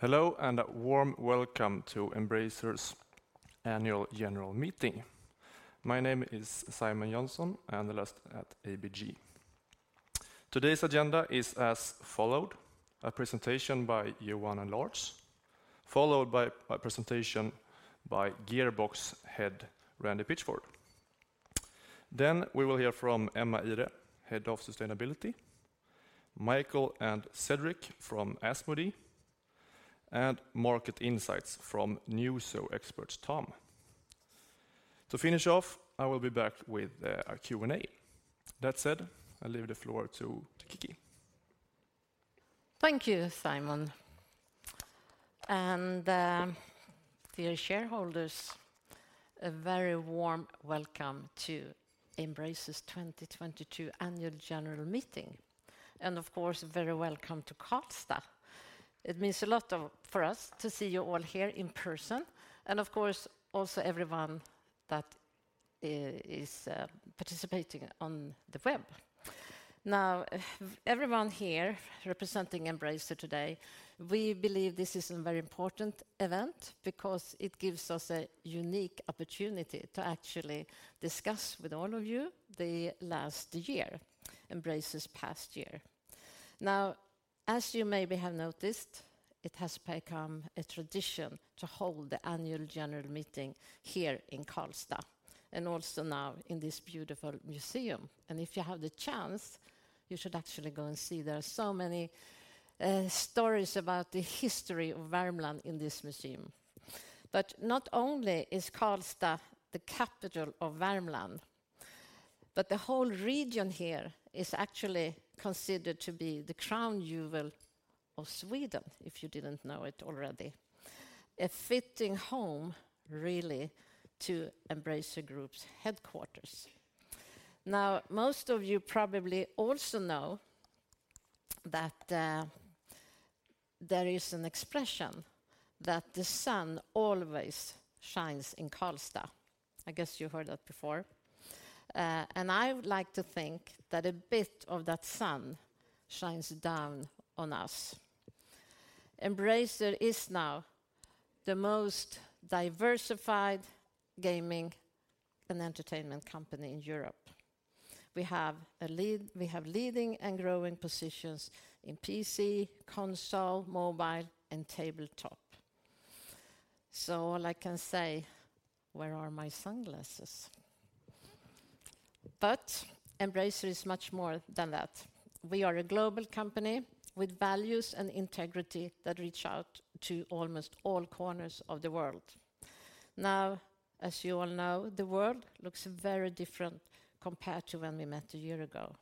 Hello, and a warm welcome to Embracer's Annual General Meeting. My name is Simon Jönsson, analyst at ABG. Today's agenda is as follows: a presentation by Johan and Lars, followed by a presentation by Gearbox Head, Randy Pitchford. Then we will hear from Emma Ihre, Head of Sustainability, Mikael and Cedric from Asmodee, and market insights from Newzoo expert Tom. To finish off, I will be back with a Q&A. That said, I leave the floor to Kicki. Thank you, Simon. Dear shareholders, a very warm welcome to Embracer's 2022 Annual General Meeting, and of course, a very welcome to Karlstad. It means a lot for us to see you all here in person, and of course, also everyone that is participating on the web. Now, everyone here representing Embracer today, we believe this is a very important event because it gives us a unique opportunity to actually discuss with all of you the last year, Embracer's past year. Now, as you maybe have noticed, it has become a tradition to hold the Annual General Meeting here in Karlstad, and also now in this beautiful museum. If you have the chance, you should actually go and see. There are so many stories about the history of Värmland in this museum. Not only is Karlstad the capital of Värmland, but the whole region here is actually considered to be the crown jewel of Sweden, if you didn't know it already. A fitting home really to Embracer Group's headquarters. Now, most of you probably also know that, there is an expression that the sun always shines in Karlstad. I guess you heard that before. I would like to think that a bit of that sun shines down on us. Embracer is now the most diversified gaming and entertainment company in Europe. We have leading and growing positions in PC, console, mobile, and tabletop. All I can say, where are my sunglasses? Embracer is much more than that. We are a global company with values and integrity that reach out to almost all corners of the world. Now, as you all know, the world looks very different compared to when we met a year ago.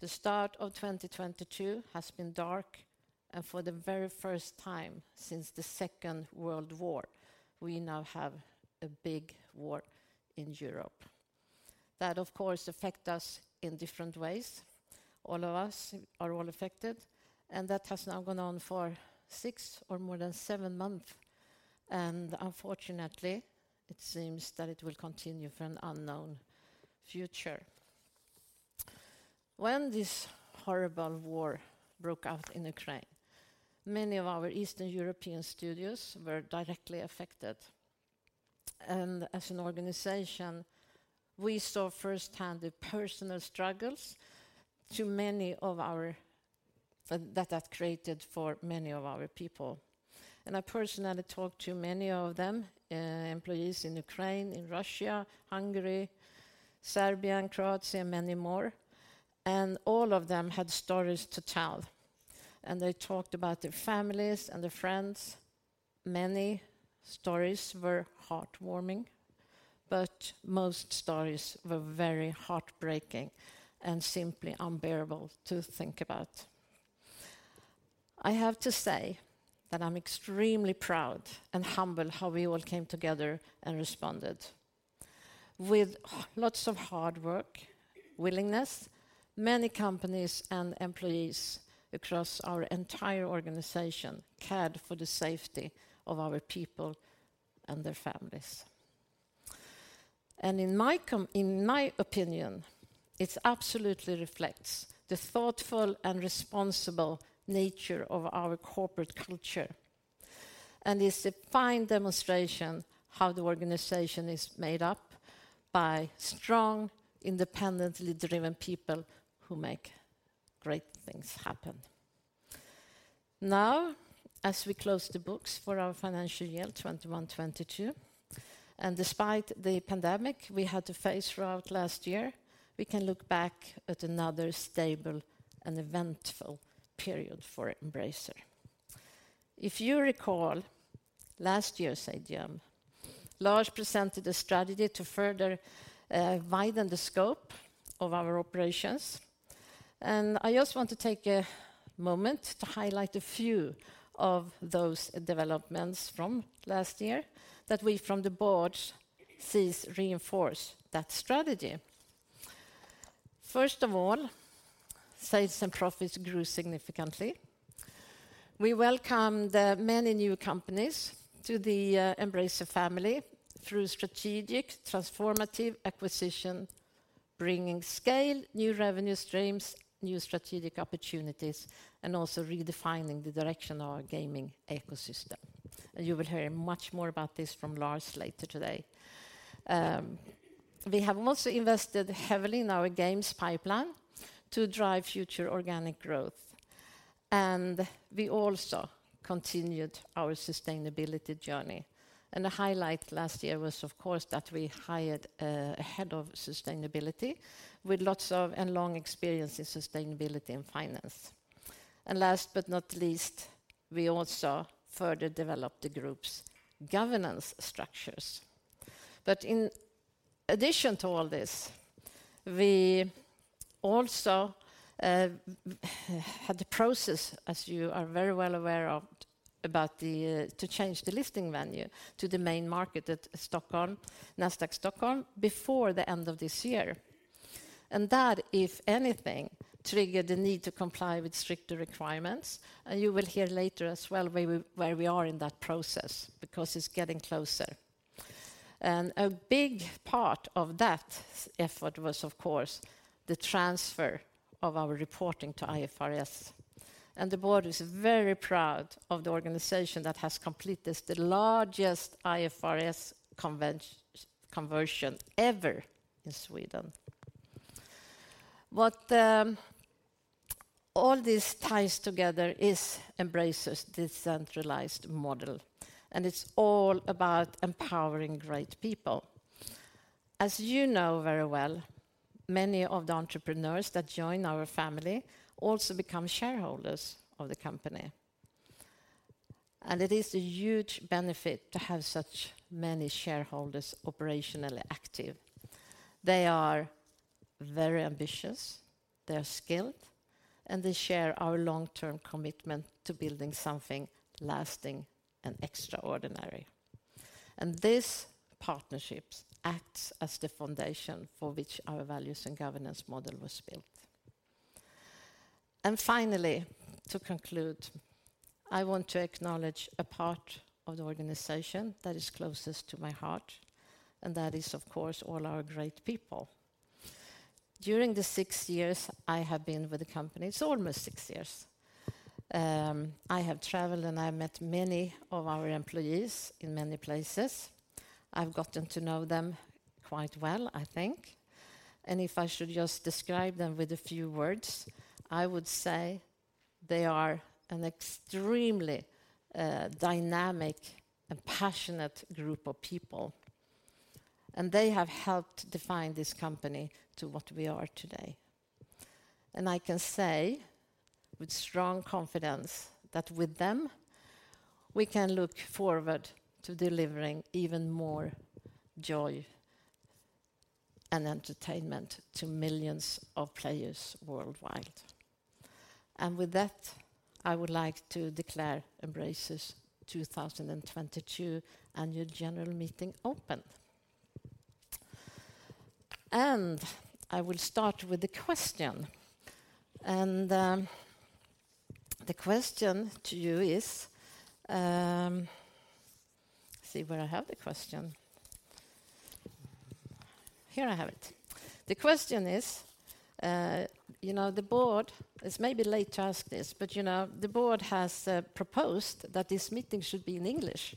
The start of 2022 has been dark, and for the very first time since the Second World War, we now have a big war in Europe. That, of course, affects us in different ways. All of us are affected, and that has now gone on for six or more than seven months. Unfortunately, it seems that it will continue for an unknown future. When this horrible war broke out in Ukraine, many of our Eastern European studios were directly affected. As an organization, we saw firsthand the personal struggles that created for many of our people. I personally talked to many of them, employees in Ukraine, in Russia, Hungary, Serbia, and Croatia, and many more, and all of them had stories to tell, and they talked about their families and their friends. Many stories were heartwarming, but most stories were very heartbreaking and simply unbearable to think about. I have to say that I'm extremely proud and humble how we all came together and responded. With lots of hard work, willingness, many companies and employees across our entire organization cared for the safety of our people and their families. In my opinion, it absolutely reflects the thoughtful and responsible nature of our corporate culture, and it's a fine demonstration how the organization is made up by strong, independently driven people who make great things happen. Now, as we close the books for our financial year 2021-2022, and despite the pandemic we had to face throughout last year, we can look back at another stable and eventful period for Embracer. If you recall last year's AGM, Lars presented a strategy to further widen the scope of our operations. I just want to take a moment to highlight a few of those developments from last year that we from the Board sees reinforce that strategy. First of all, sales and profits grew significantly. We welcomed many new companies to the Embracer family through strategic transformative acquisitions bringing scale, new revenue streams, new strategic opportunities, and also redefining the direction of our gaming ecosystem. You will hear much more about this from Lars later today. We have also invested heavily in our games pipeline to drive future organic growth, and we also continued our sustainability journey. A highlight last year was, of course, that we hired a Head of Sustainability with lots of and long experience in sustainability and finance. Last but not least, we also further developed the group's governance structures. In addition to all this, we also had the process, as you are very well aware of, about to change the listing venue to the main market at Stockholm, Nasdaq Stockholm, before the end of this year. That, if anything, triggered the need to comply with stricter requirements. You will hear later as well where we are in that process because it's getting closer. A big part of that effort was, of course, the transfer of our reporting to IFRS. The Board is very proud of the organization that has completed the largest IFRS conversion ever in Sweden. What all this ties together is Embracer's decentralized model, and it's all about empowering great people. As you know very well, many of the entrepreneurs that join our family also become shareholders of the company. It is a huge benefit to have so many shareholders operationally active. They are very ambitious, they are skilled, and they share our long-term commitment to building something lasting and extraordinary. This partnerships acts as the foundation for which our values and governance model was built. Finally, to conclude, I want to acknowledge a part of the organization that is closest to my heart, and that is, of course, all our great people. During the six years I have been with the company, it's almost six years. I have traveled, and I met many of our employees in many places. I've gotten to know them quite well, I think. If I should just describe them with a few words, I would say they are an extremely dynamic and passionate group of people, and they have helped define this company to what we are today. I can say with strong confidence that with them, we can look forward to delivering even more joy and entertainment to millions of players worldwide. With that, I would like to declare Embracer's 2022 Annual General Meeting open. I will start with a question. The question to you is, see where I have the question. Here I have it. The question is, you know, the Board, it's maybe late to ask this, but, you know, the Board has proposed that this meeting should be in English,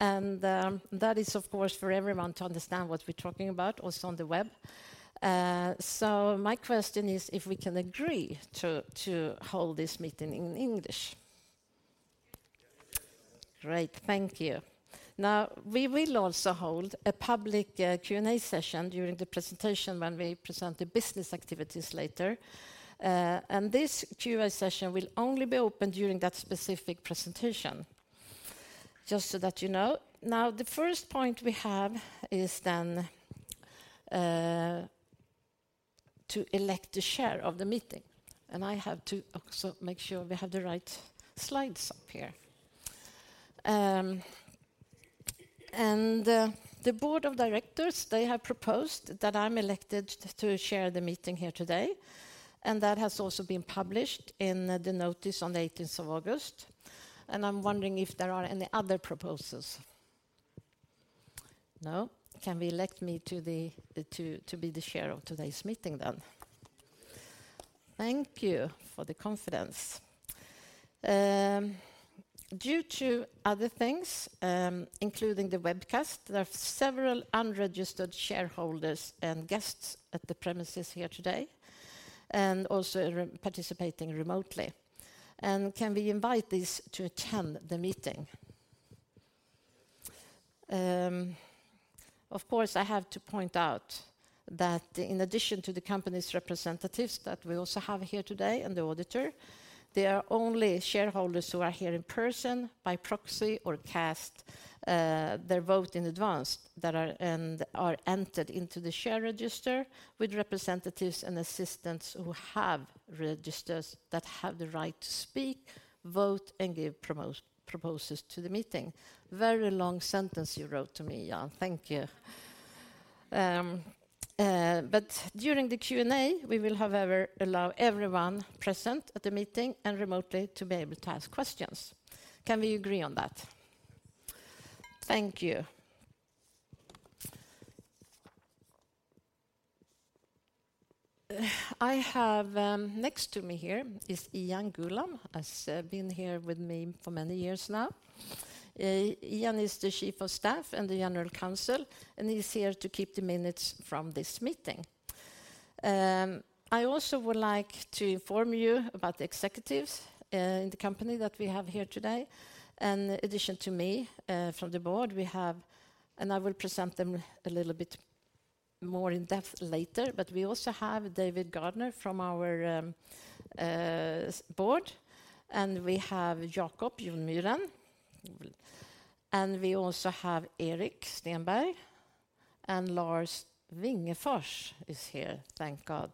and that is, of course, for everyone to understand what we're talking about also on the web. So my question is if we can agree to hold this meeting in English. Yes. Great. Thank you. Now, we will also hold a public Q&A session during the presentation when we present the business activities later. This Q&A session will only be open during that specific presentation, just so that you know. Now, the first point we have is to elect the Chair of the Meeting, and I have to also make sure we have the right slides up here. The Board of Directors, they have proposed that I'm elected to chair the meeting here today, and that has also been published in the notice on the 18th of August. I'm wondering if there are any other proposals. No? Can we elect me to be the Chair of today's meeting then? Yes. Thank you for the confidence. Due to other things, including the webcast, there are several unregistered shareholders and guests at the premises here today and also participating remotely. Can we invite these to attend the meeting? Of course, I have to point out that in addition to the company's representatives that we also have here today and the auditor, there are only shareholders who are here in person, by proxy, or cast their vote in advance that are entered into the share register with representatives and assistants who have registered that have the right to speak, vote, and give proposals to the meeting. Very long sentence you wrote to me, Johan. Thank you. During the Q&A, we will, however, allow everyone present at the meeting and remotely to be able to ask questions. Can we agree on that? Thank you. I have next to me here Ian Gulam. He has been here with me for many years now. Ian is the Chief of Staff and the General Counsel, and he's here to keep the minutes from this meeting. I also would like to inform you about the executives in the company that we have here today. In addition to me, from the Board, we have. I will present them a little bit more in-depth later. We also have David Gardner from our Board, and we have Jacob Jonmyren. We also have Erik Stenberg, and Lars Wingefors is here, thank God.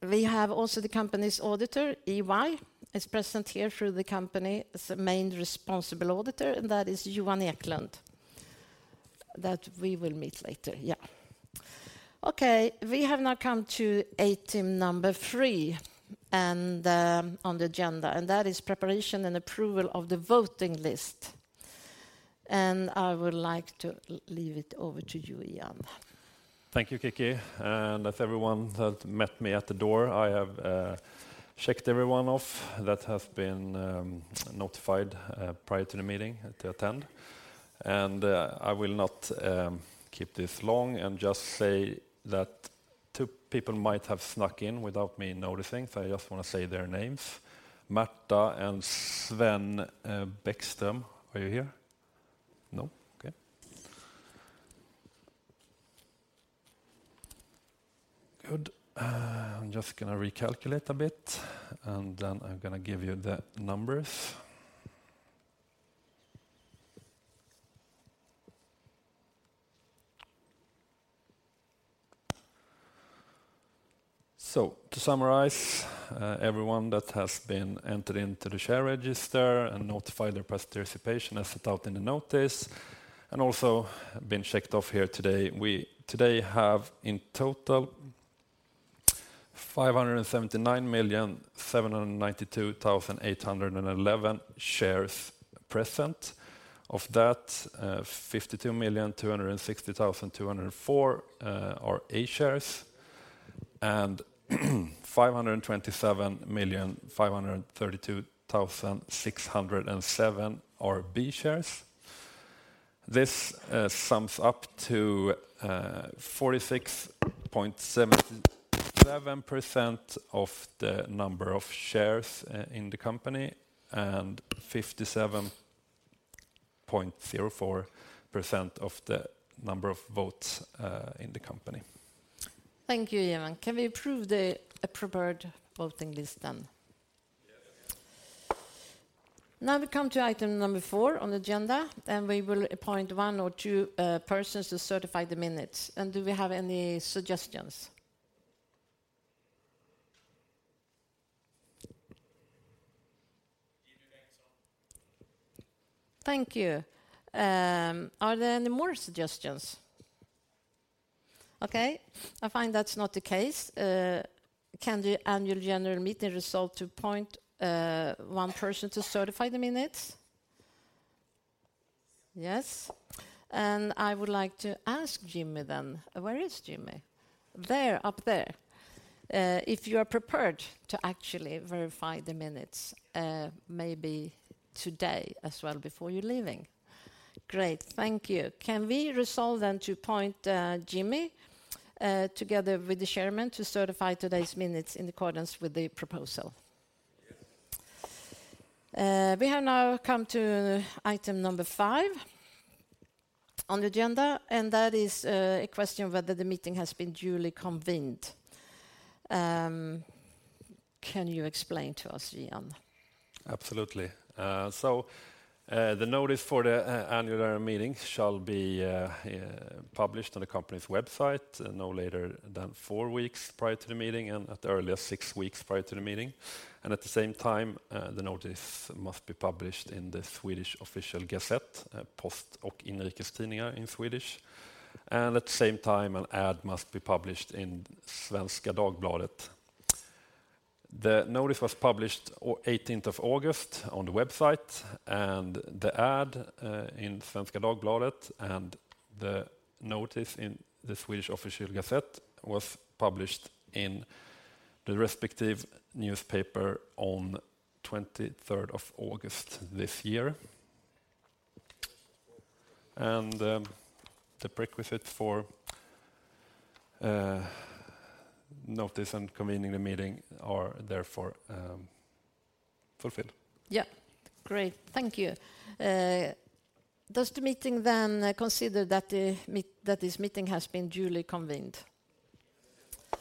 We have also the company's auditor, EY, is present here through the company as a main responsible auditor, and that is Johan Eklund, that we will meet later. Yeah. Okay. We have now come to item number three, and on the agenda, and that is preparation and approval of the voting list. I would like to leave it over to you, Ian. Thank you, Kicki. As everyone that met me at the door, I have checked everyone off that have been notified prior to the meeting to attend. I will not keep this long and just say that two people might have snuck in without me noticing, so I just wanna say their names. [Märta and Sven Bäckström], are you here? No. Okay. Good. I'm just gonna recalculate a bit, and then I'm gonna give you the numbers. To summarize, everyone that has been entered into the share register and notified their participation as set out in the notice and also have been checked off here today. We today have in total 579,792,811 shares present. Of that, 52,260,204 are A shares and 527,532,607 are B shares. This sums up to 46.77% of the number of shares in the company and 57.04% of the number of votes in the company. Thank you, Ian. Can we approve the approved voting list then? Yes. Now we come to item number four on the agenda, and we will appoint one or two persons to certify the minutes. Do we have any suggestions? Jimmy Bengtsson. Thank you. Are there any more suggestions? Okay. I find that's not the case. Can the Annual General Meeting resolve to appoint one person to certify the minutes? Yes. I would like to ask Jimmy then. Where is Jimmy? There. Up there. If you are prepared to actually verify the minutes, maybe today as well before you're leaving. Great. Thank you. Can we resolve then to appoint Jimmy together with the chairman to certify today's minutes in accordance with the proposal? Yes. We have now come to item number five on the agenda, and that is a question of whether the meeting has been duly convened. Can you explain to us, Ian? Absolutely. So, the notice for the annual meeting shall be published on the company's website no later than four weeks prior to the meeting and at the earliest, six weeks prior to the meeting. At the same time, the notice must be published in the Swedish official gazette, Post- och Inrikes Tidningar in Swedish. At the same time, an ad must be published in Svenska Dagbladet. The notice was published on 18th of August on the website, and the ad in Svenska Dagbladet, and the notice in the Swedish official gazette was published in the respective newspaper on 23rd of August this year. The prerequisite for notice and convening the meeting are therefore fulfilled. Yeah. Great. Thank you. Does the meeting then consider that this meeting has been duly convened? Yes.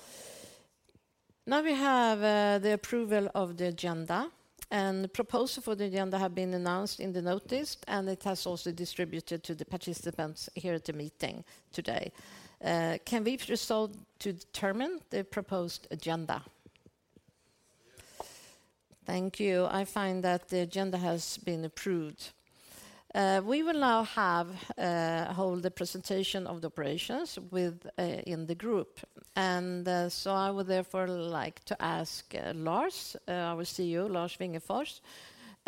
Now we have the approval of the agenda. The proposal for the agenda have been announced in the notice, and it has also distributed to the participants here at the meeting today. Can we resolve to determine the proposed agenda? Yes. Thank you. I find that the agenda has been approved. We will now hold the presentation of the operations within the group. I would therefore like to ask Lars, our CEO, Lars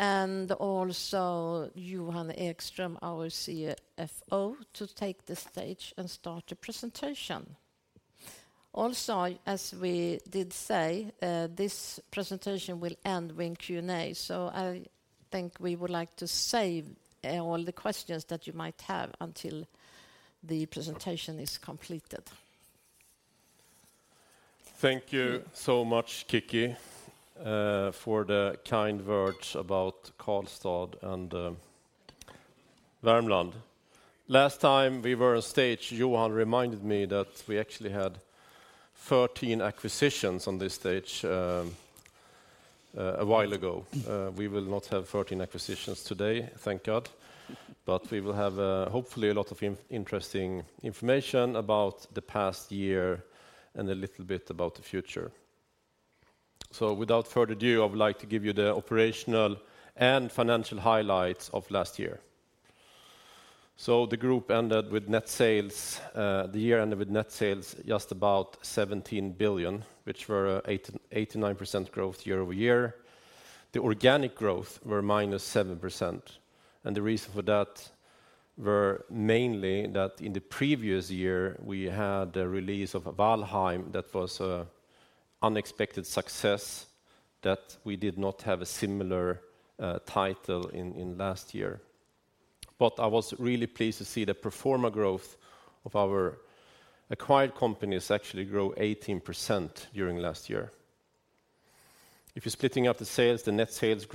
Wingefors, and also Johan Ekström, our CFO, to take the stage and start the presentation. Also, as we did say, this presentation will end with Q&A. I think we would like to save all the questions that you might have until the presentation is completed. Thank you so much, Kicki, for the kind words about Karlstad and Värmland. Last time we were on stage, Johan reminded me that we actually had 13 acquisitions on this stage a while ago. We will not have 13 acquisitions today, thank God. We will have hopefully a lot of interesting information about the past year and a little bit about the future. Without further ado, I would like to give you the operational and financial highlights of last year. The year ended with net sales just about 17 billion, which were 89% growth year-over-year. The organic growth were -7%, and the reason for that were mainly that in the previous year, we had the release of Valheim that was unexpected success that we did not have a similar title in last year. I was really pleased to see the pro forma growth of our acquired companies actually grow 18% during last year. If you're splitting up the sales, the net sales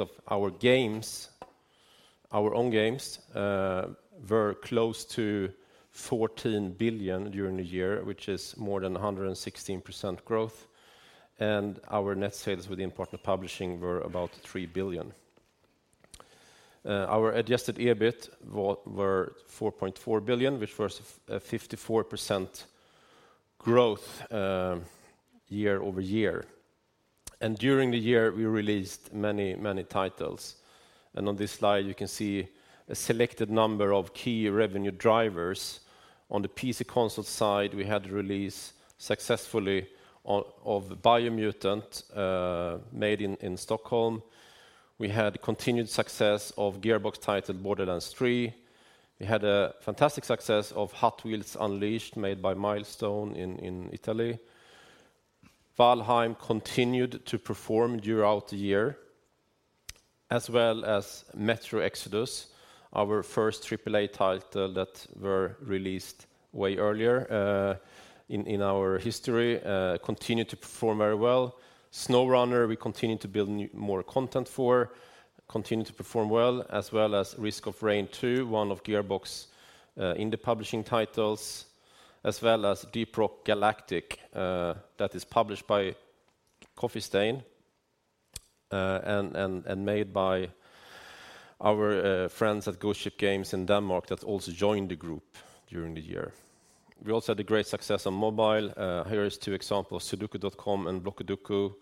of our games, our own games, were close to 14 billion during the year, which is more than 116% growth. Our net sales with the important publishing were about 3 billion. Our adjusted EBIT were 44 billion, which was 54% growth, year-over-year. During the year, we released many, many titles. On this slide, you can see a selected number of key revenue drivers. On the PC console side, we had successful release of Biomutant, made in Stockholm. We had continued success of Gearbox title Borderlands 3. We had a fantastic success of Hot Wheels Unleashed made by Milestone in Italy. Valheim continued to perform throughout the year, as well as Metro Exodus, our first AAA title that were released way earlier in our history continued to perform very well. SnowRunner, we continued to build more content for, continued to perform well, as well as Risk of Rain 2, one of Gearbox in the publishing titles, as well as Deep Rock Galactic, that is published by Coffee Stain, and made by our friends at Ghost Ship Games in Denmark that also joined the group during the year. We also had a great success on mobile. Here are two examples, Sudoku.com and Blockudoku.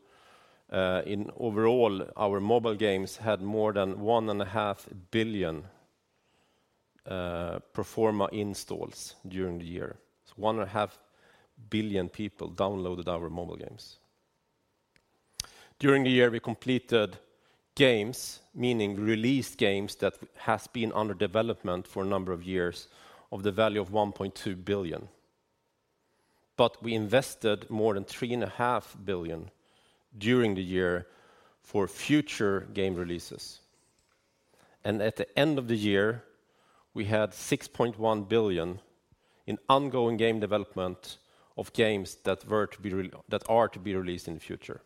Overall, our mobile games had more than 1.5 billion pro forma installs during the year. So 1.5 billion people downloaded our mobile games. During the year, we completed games, meaning released games that has been under development for a number of years of the value of 1.2 billion. We invested more than 3.5 billion during the year for future game releases. At the end of the year, we had 6.1 billion in ongoing game development of games that are to be released in the future.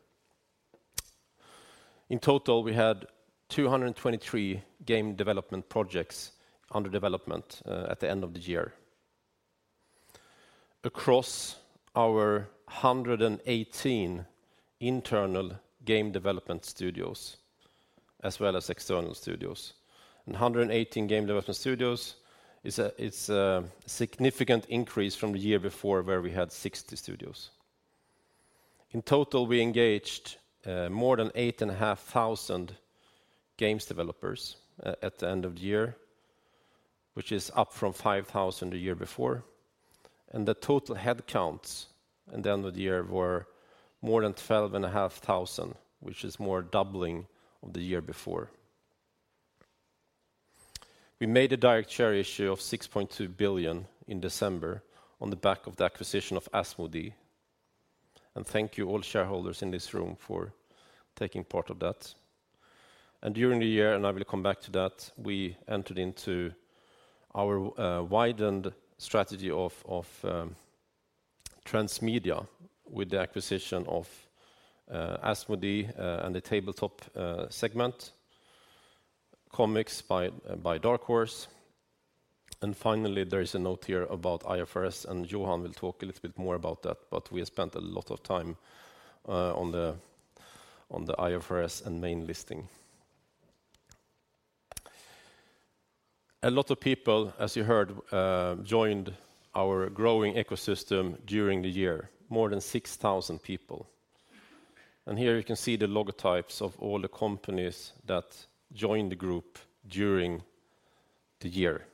In total, we had 223 game development projects under development at the end of the year across our 118 internal game development studios, as well as external studios. 118 game development studios is a significant increase from the year before where we had 60 studios. In total, we engaged more than 8,500 games developers at the end of the year, which is up from 5,000 the year before. The total headcounts at the end of the year were more than 12,500, which is more than doubling of the year before. We made a direct share issue of 6.2 billion in December on the back of the acquisition of Asmodee. Thank you all shareholders in this room for taking part of that. During the year, and I will come back to that, we entered into our widened strategy of transmedia with the acquisition of Asmodee and the tabletop segment, comics by Dark Horse. Finally, there is a note here about IFRS, and Johan will talk a little bit more about that, but we have spent a lot of time on the IFRS and main listing. A lot of people, as you heard, joined our growing ecosystem during the year, more than 6,000 people. Here you can see the logotypes of all the companies that joined the group during the year.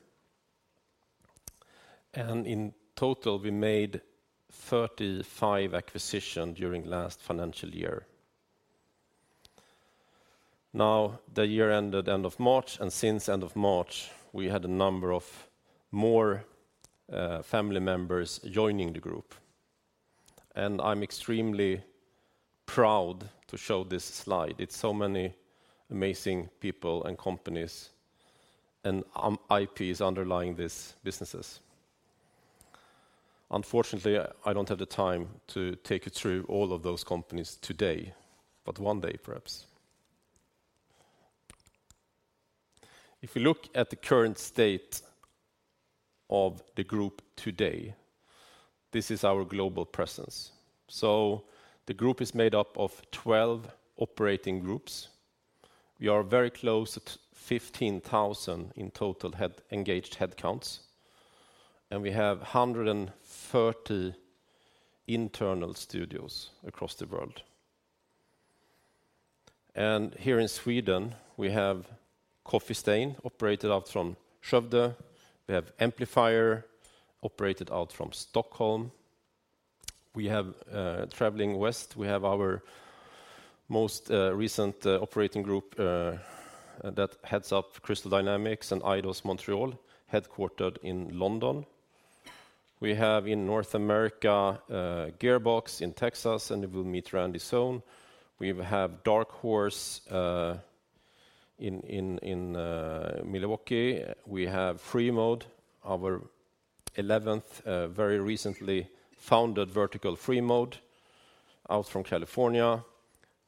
In total, we made 35 acquisitions during last financial year. Now, the year ended end of March, and since end of March, we had a number of more family members joining the group. I'm extremely proud to show this slide. It's so many amazing people and companies and IPs underlying these businesses. Unfortunately, I don't have the time to take you through all of those companies today, but one day, perhaps. If you look at the current state of the group today, this is our global presence. The group is made up of 12 operating groups. We are very close at 15,000 in total head engaged headcounts, and we have 130 internal studios across the world. Here in Sweden, we have Coffee Stain, operated out from Skövde. We have Amplifier, operated out from Stockholm. We have traveling west. We have our most recent operating group that heads up Crystal Dynamics and Eidos-Montréal, headquartered in London. We have in North America Gearbox in Texas, and we will meet Randy soon. We have Dark Horse in Milwaukie. We have Freemode, our 11th very recently founded vertical Freemode out from California.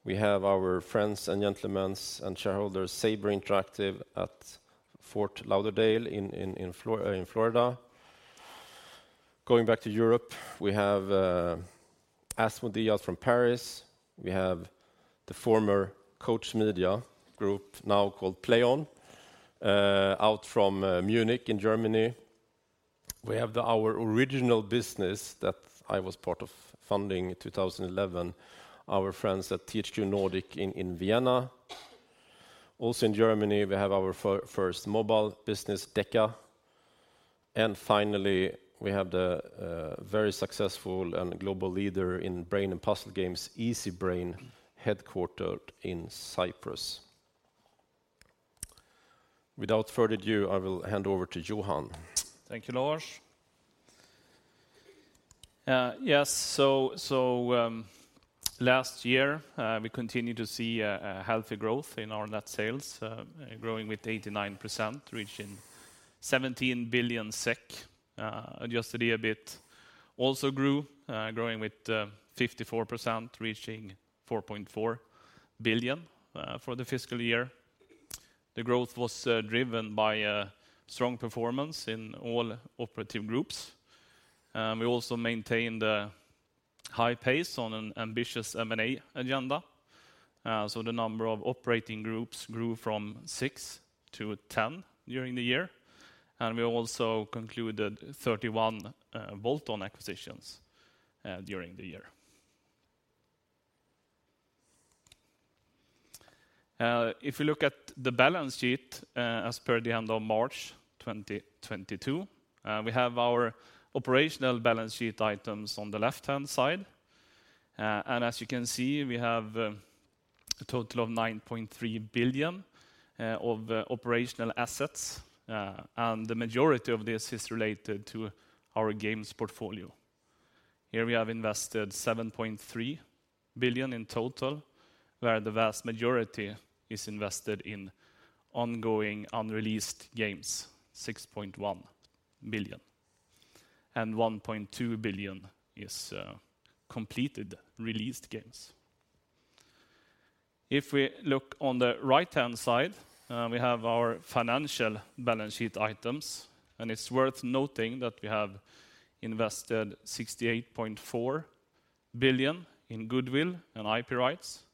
We have our friends and gentlemen and shareholders, Saber Interactive at Fort Lauderdale in Florida. Going back to Europe, we have Asmodee from Paris. We have the former Koch Media Group now called PLAION, out from Munich in Germany. We have our original business that I was part of funding in 2011, our friends at THQ Nordic in Vienna. Also in Germany, we have our first mobile business, DECA. Finally, we have the very successful and global leader in brain and puzzle games, Easybrain, headquartered in Cyprus. Without further ado, I will hand over to Johan. Thank you, Lars. Yes. Last year, we continued to see a healthy growth in our net sales, growing with 89%, reaching 17 billion SEK. Adjusted EBIT also grew, growing with 54%, reaching 4.4 billion for the fiscal year. The growth was driven by a strong performance in all operative groups. We also maintained a high pace on an ambitious M&A agenda. The number of operating groups grew from six to 10 during the year, and we also concluded 31 bolt-on acquisitions during the year. If you look at the balance sheet, as per the end of March 2022, we have our operational balance sheet items on the left-hand side. As you can see, we have a total of 9.3 billion of operational assets. The majority of this is related to our games portfolio. Here we have invested 7.3 billion in total, where the vast majority is invested in ongoing unreleased games, 6.1 billion, and 1.2 billion is completed, released games. If we look on the right-hand side, we have our financial balance sheet items, and it's worth noting that we have invested 68.4 billion in goodwill and IP rights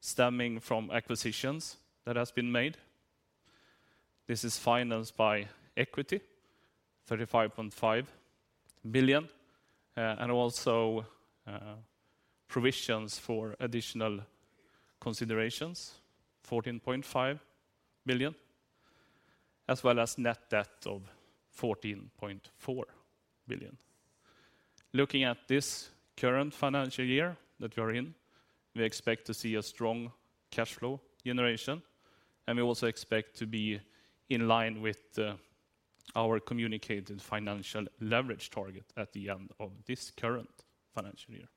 stemming from acquisitions that has been made. This is financed by equity, 35.5 billion, and also, provisions for additional considerations, 14.5 billion, as well as net debt of 14.4 billion. Looking at this current financial year that we're in, we expect to see a strong cash flow generation, and we also expect to be in line with our communicated financial leverage target at the end of this current financial year.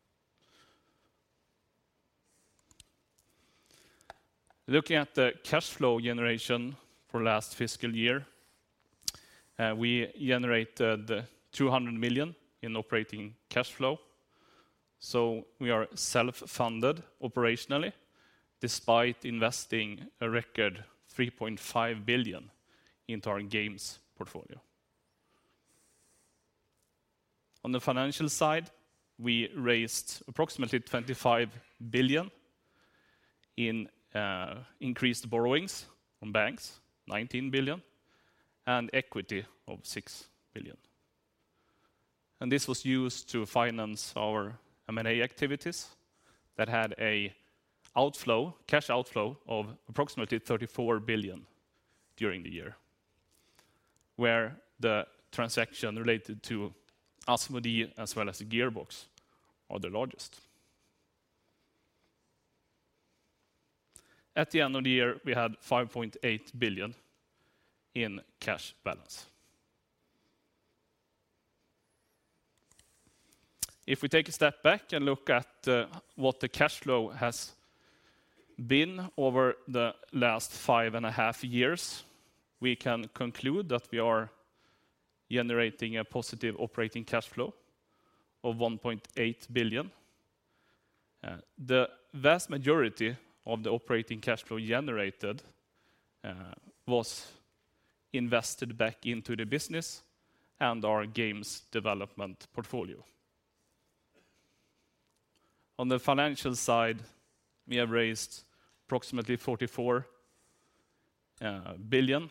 Looking at the cash flow generation for last fiscal year, we generated 200 million in operating cash flow. We are self-funded operationally, despite investing a record 3.5 billion into our games portfolio. On the financial side, we raised approximately 25 billion in increased borrowings from banks, 19 billion, and equity of 6 billion. This was used to finance our M&A activities that had a cash outflow of approximately 34 billion during the year, where the transaction related to Asmodee as well as Gearbox are the largest. At the end of the year, we had 5.8 billion in cash balance. If we take a step back and look at what the cash flow has been over the last five and a half years, we can conclude that we are generating a positive operating cash flow of 1.8 billion. The vast majority of the operating cash flow generated was invested back into the business and our games development portfolio. On the financial side, we have raised approximately 44 billion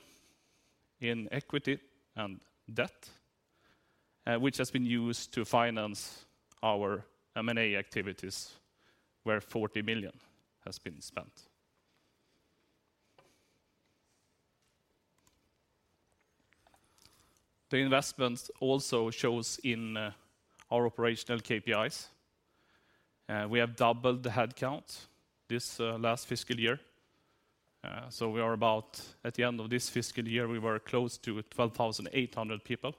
in equity and debt, which has been used to finance our M&A activities, where 40 billion has been spent. The investment also shows in our operational KPIs. We have doubled the headcount this last fiscal year. So we are at the end of this fiscal year, we were close to 12,800 people.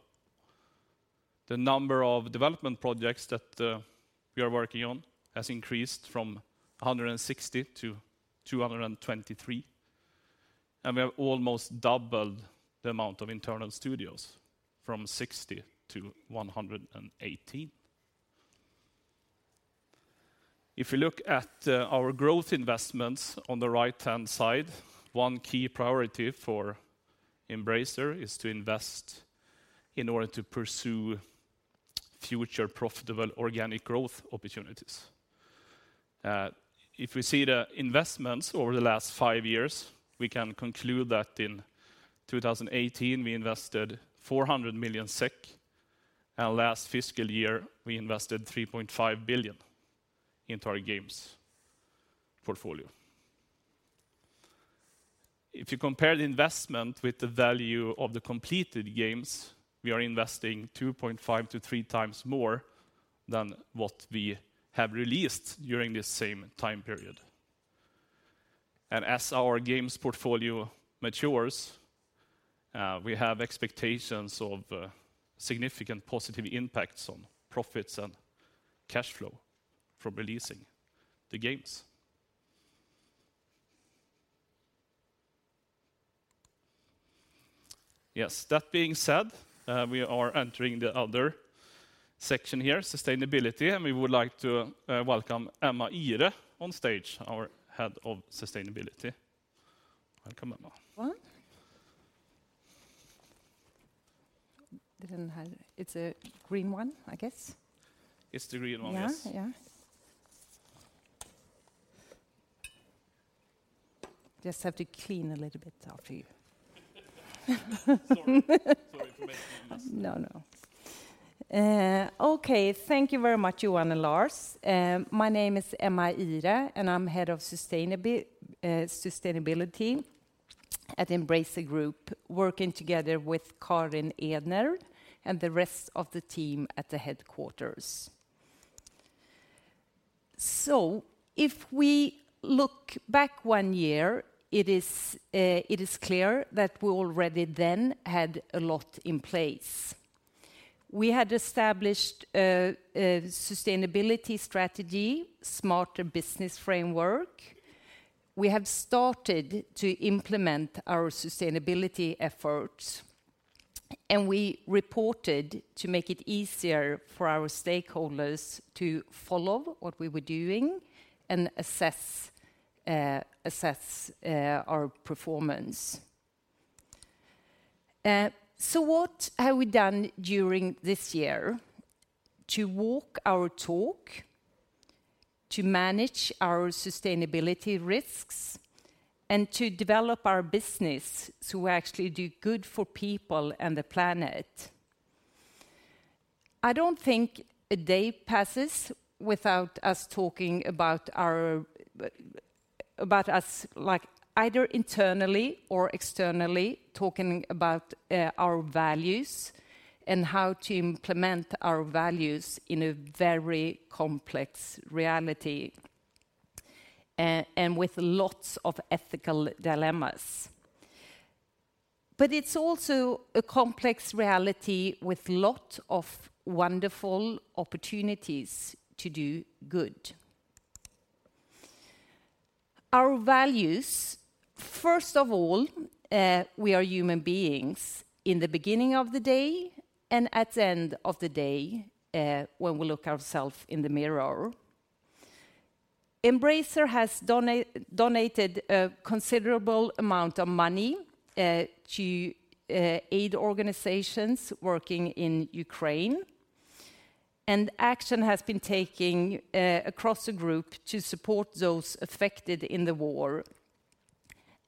The number of development projects that we are working on has increased from 160 to 223, and we have almost doubled the amount of internal studios from 60 to 118. If you look at our growth investments on the right-hand side, one key priority for Embracer is to invest in order to pursue future profitable organic growth opportunities. If we see the investments over the last five years, we can conclude that in 2018 we invested 400 million SEK, and last fiscal year we invested 3.5 billion into our games portfolio. If you compare the investment with the value of the completed games, we are investing 2.5 to three times more than what we have released during this same time period. As our games portfolio matures, we have expectations of significant positive impacts on profits and cash flow from releasing the games. Yes. That being said, we are entering the other section here, sustainability, and we would like to welcome Emma Ihre on stage, our Head of Sustainability. Welcome, Emma. Well, it's a green one, I guess. It's the green one, yes. Yeah. Just have to clean a little bit after you. Sorry. Sorry for making a mess. No, no. Okay. Thank you very much, Johan and Lars. My name is Emma Ihre, and I'm Head of Sustainability at Embracer Group, working together with Karin Edner and the rest of the team at the headquarters. If we look back one year, it is clear that we already then had a lot in place. We had established a sustainability strategy, smarter business framework. We have started to implement our sustainability efforts, and we reported to make it easier for our stakeholders to follow what we were doing and assess our performance. What have we done during this year to walk our talk, to manage our sustainability risks, and to develop our business to actually do good for people and the planet? I don't think a day passes without us talking about, like, either internally or externally, our values and how to implement our values in a very complex reality, and with lots of ethical dilemmas. It's also a complex reality with a lot of wonderful opportunities to do good. Our values, first of all, we are human beings in the beginning of the day and at the end of the day, when we look at ourselves in the mirror. Embracer has donated a considerable amount of money to aid organizations working in Ukraine, and actions have been taken across the group to support those affected in the war.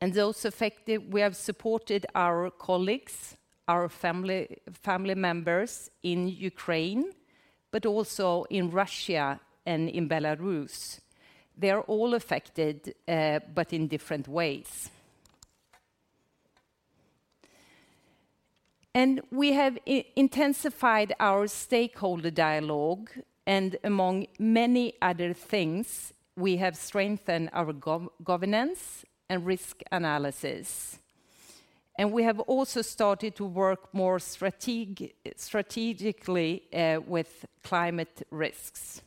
We have supported our colleagues, our family members in Ukraine, but also in Russia and in Belarus. They are all affected, but in different ways. We have intensified our stakeholder dialogue, and among many other things, we have strengthened our governance and risk analysis. We have also started to work more strategically with climate risks.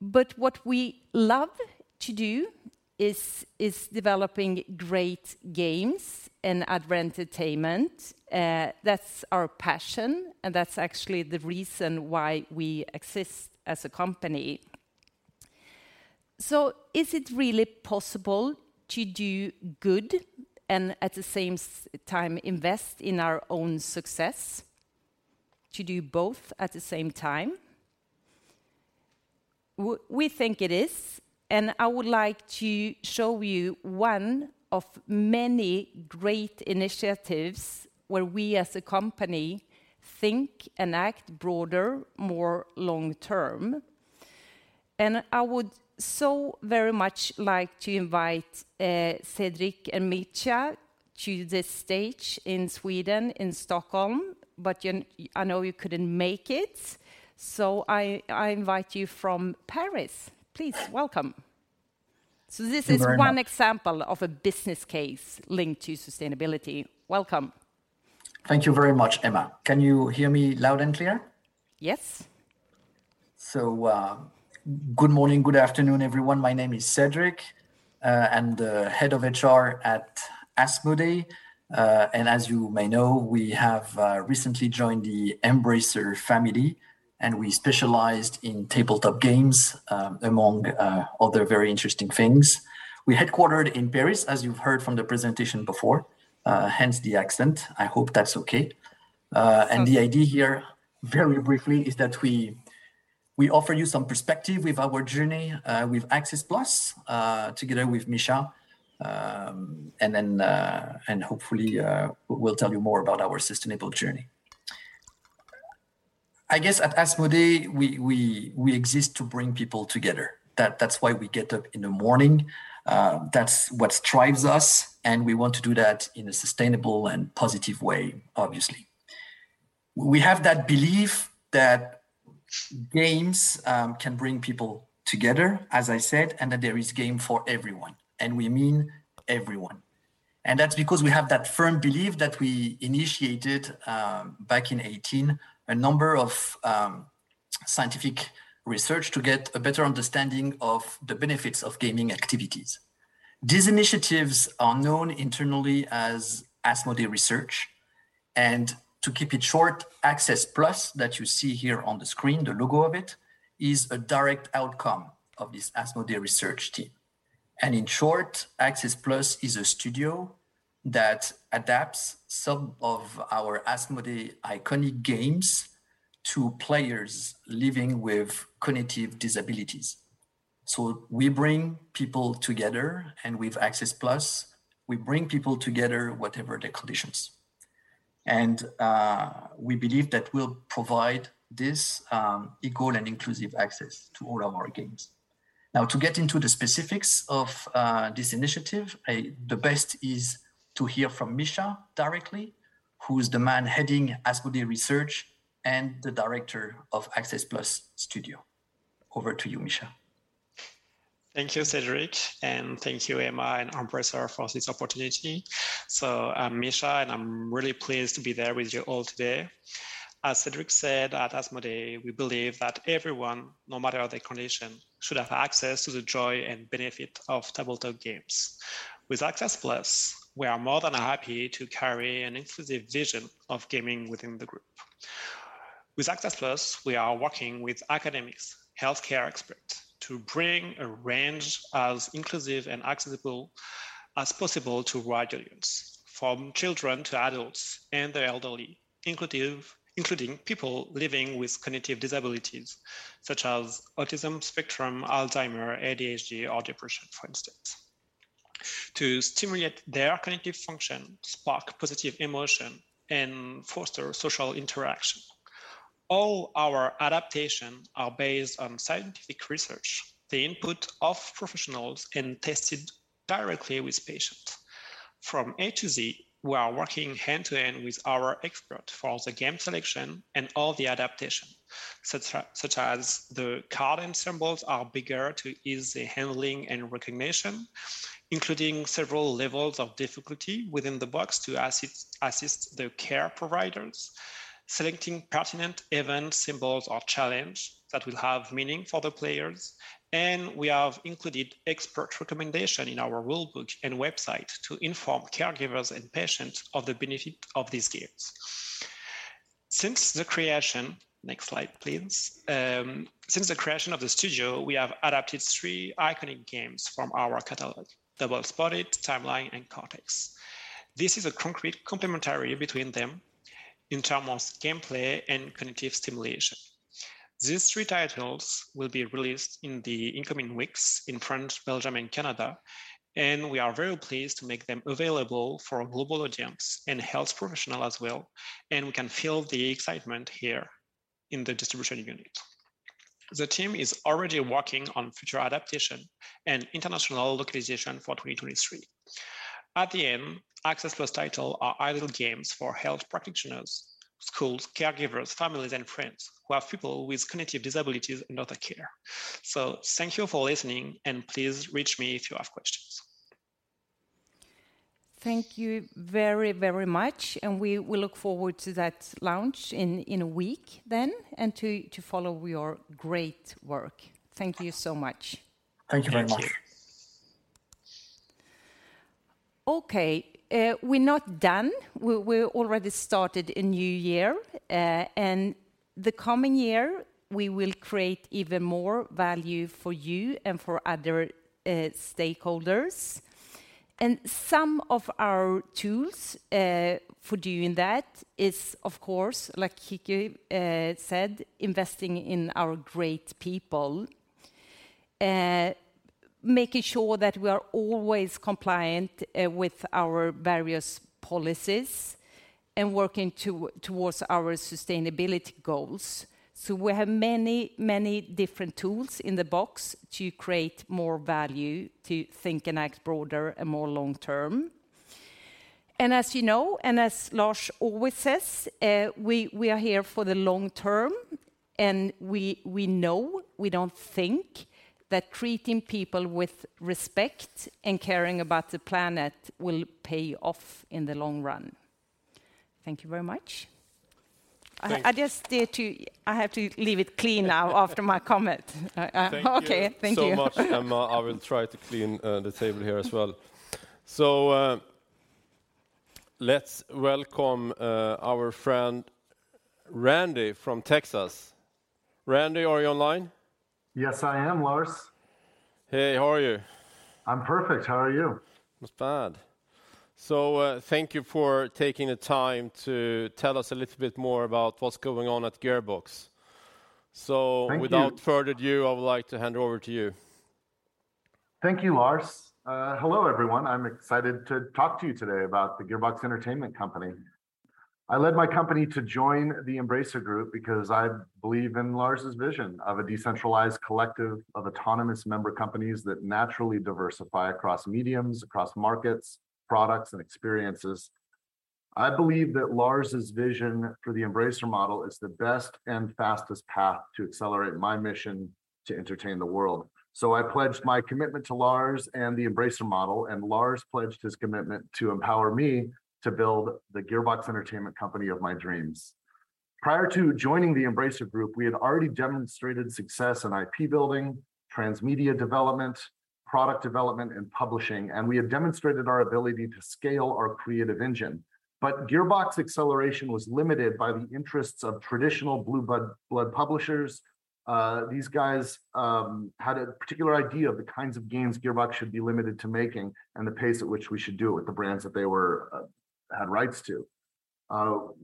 What we love to do is developing great games and advertainment. That's our passion, and that's actually the reason why we exist as a company. Is it really possible to do good and at the same time invest in our own success, to do both at the same time? We think it is, and I would like to show you one of many great initiatives where we as a company think and act broader, more long-term. I would so very much like to invite Cedric and Micha to the stage in Sweden, in Stockholm, but I know you couldn't make it, so I invite you from Paris. Please welcome. Thank you very much. This is one example of a business case linked to sustainability. Welcome. Thank you very much, Emma. Can you hear me loud and clear? Yes. Good morning, good afternoon, everyone. My name is Cedric. I'm the Head of HR at Asmodee, and as you may know, we have recently joined the Embracer family, and we specialized in tabletop games, among other very interesting things. We're headquartered in Paris, as you've heard from the presentation before, hence the accent. I hope that's okay. The idea here, very briefly, is that we offer you some perspective with our journey with Access+, together with Micha, and then hopefully we'll tell you more about our sustainable journey. I guess at Asmodee, we exist to bring people together. That's why we get up in the morning, that's what drives us, and we want to do that in a sustainable and positive way, obviously. We have that belief that games can bring people together, as I said, and that there is game for everyone, and we mean everyone. That's because we have that firm belief that we initiated back in 2018 a number of scientific research to get a better understanding of the benefits of gaming activities. These initiatives are known internally as Asmodee Research, and to keep it short, Access+, that you see here on the screen, the logo of it, is a direct outcome of this Asmodee Research team. In short, Access+ is a studio that adapts some of our Asmodee iconic games to players living with cognitive disabilities. We bring people together, and with Access+, we bring people together, whatever their conditions. We believe that we'll provide this equal and inclusive access to all of our games. Now to get into the specifics of this initiative, the best is to hear from Micha directly, who is the man heading Asmodee Research and the Director of Access+ studio. Over to you, Micha. Thank you, Cedric, and thank you, Emma and Embracer, for this opportunity. I'm Micha, and I'm really pleased to be there with you all today. As Cedric said, at Asmodee, we believe that everyone, no matter their condition, should have access to the joy and benefit of tabletop games. With Access+, we are more than happy to carry an inclusive vision of gaming within the group. With Access+, we are working with academics, healthcare experts, to bring a range as inclusive and accessible as possible to a wide audience, from children to adults and the elderly, inclusive, including people living with cognitive disabilities such as autism spectrum, Alzheimer's, ADHD or depression, for instance, to stimulate their cognitive function, spark positive emotion, and foster social interaction. All our adaptations are based on scientific research, the input of professionals, and tested directly with patients. From A to Z, we are working hand in hand with our expert for the game selection and all the adaptation, such as the card and symbols are bigger to ease the handling and recognition, including several levels of difficulty within the box to assist the care providers, selecting pertinent event, symbols or challenge that will have meaning for the players, and we have included expert recommendation in our rule book and website to inform caregivers and patients of the benefit of these games. Since the creation of the studio, we have adapted three iconic games from our catalog, Dobble/Spot it!, Timeline, and Cortex. This is a concrete complementarity between them in terms of gameplay and cognitive stimulation. These three titles will be released in the coming weeks in France, Belgium, and Canada, and we are very pleased to make them available for a global audience and health professionals as well, and we can feel the excitement here in the distribution unit. The team is already working on future adaptation and international localization for 2023. In the end, Access+ titles are ideal games for health practitioners, schools, caregivers, families, and friends who have people with cognitive disabilities and other care. Thank you for listening, and please reach me if you have questions. Thank you very, very much, and we look forward to that launch in a week then and to follow your great work. Thank you so much. Thank you very much. Okay. We're not done. We're already started a new year, and the coming year we will create even more value for you and for other stakeholders. Some of our tools for doing that is, of course, like Kicki said, investing in our great people, making sure that we are always compliant with our various policies and working towards our sustainability goals. We have many different tools in the box to create more value to think and act broader and more long term. As you know, and as Lars always says, we are here for the long term, and we know we don't think that treating people with respect and caring about the planet will pay off in the long run. Thank you very much. Thanks. I have to leave it clean now after my comment. Thank you. Okay. Thank you. So much, Emma. I will try to clean the table here as well. Let's welcome our friend Randy from Texas. Randy, are you online? Yes, I am, Lars. Hey, how are you? I'm perfect. How are you? Not bad. Thank you for taking the time to tell us a little bit more about what's going on at Gearbox. Thank you. Without further ado, I would like to hand over to you. Thank you, Lars. Hello, everyone. I'm excited to talk to you today about The Gearbox Entertainment Company. I led my company to join the Embracer Group because I believe in Lars' vision of a decentralized collective of autonomous member companies that naturally diversify across mediums, across markets, products, and experiences. I believe that Lars' vision for the Embracer model is the best and fastest path to accelerate my mission to entertain the world. I pledged my commitment to Lars and the Embracer model, and Lars pledged his commitment to empower me to build The Gearbox Entertainment Company of my dreams. Prior to joining the Embracer Group, we had already demonstrated success in IP building, transmedia development, product development, and publishing, and we have demonstrated our ability to scale our creative engine. Gearbox acceleration was limited by the interests of traditional blue blood publishers. These guys had a particular idea of the kinds of games Gearbox should be limited to making and the pace at which we should do it with the brands that they had rights to.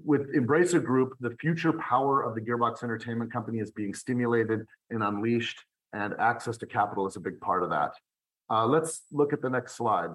With Embracer Group, the future power of The Gearbox Entertainment Company is being stimulated and unleashed, and access to capital is a big part of that. Let's look at the next slide.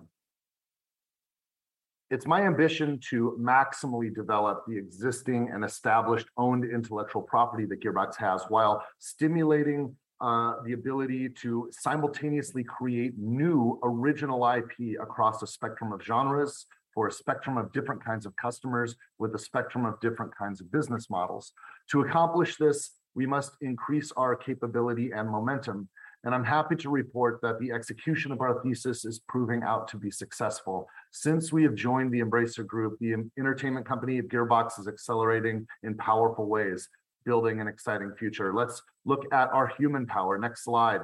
It's my ambition to maximally develop the existing and established owned intellectual property that Gearbox has while stimulating the ability to simultaneously create new original IP across a spectrum of genres for a spectrum of different kinds of customers with a spectrum of different kinds of business models. To accomplish this, we must increase our capability and momentum, and I'm happy to report that the execution of our thesis is proving out to be successful. Since we have joined the Embracer Group, the entertainment company of Gearbox is accelerating in powerful ways, building an exciting future. Let's look at our human power. Next slide.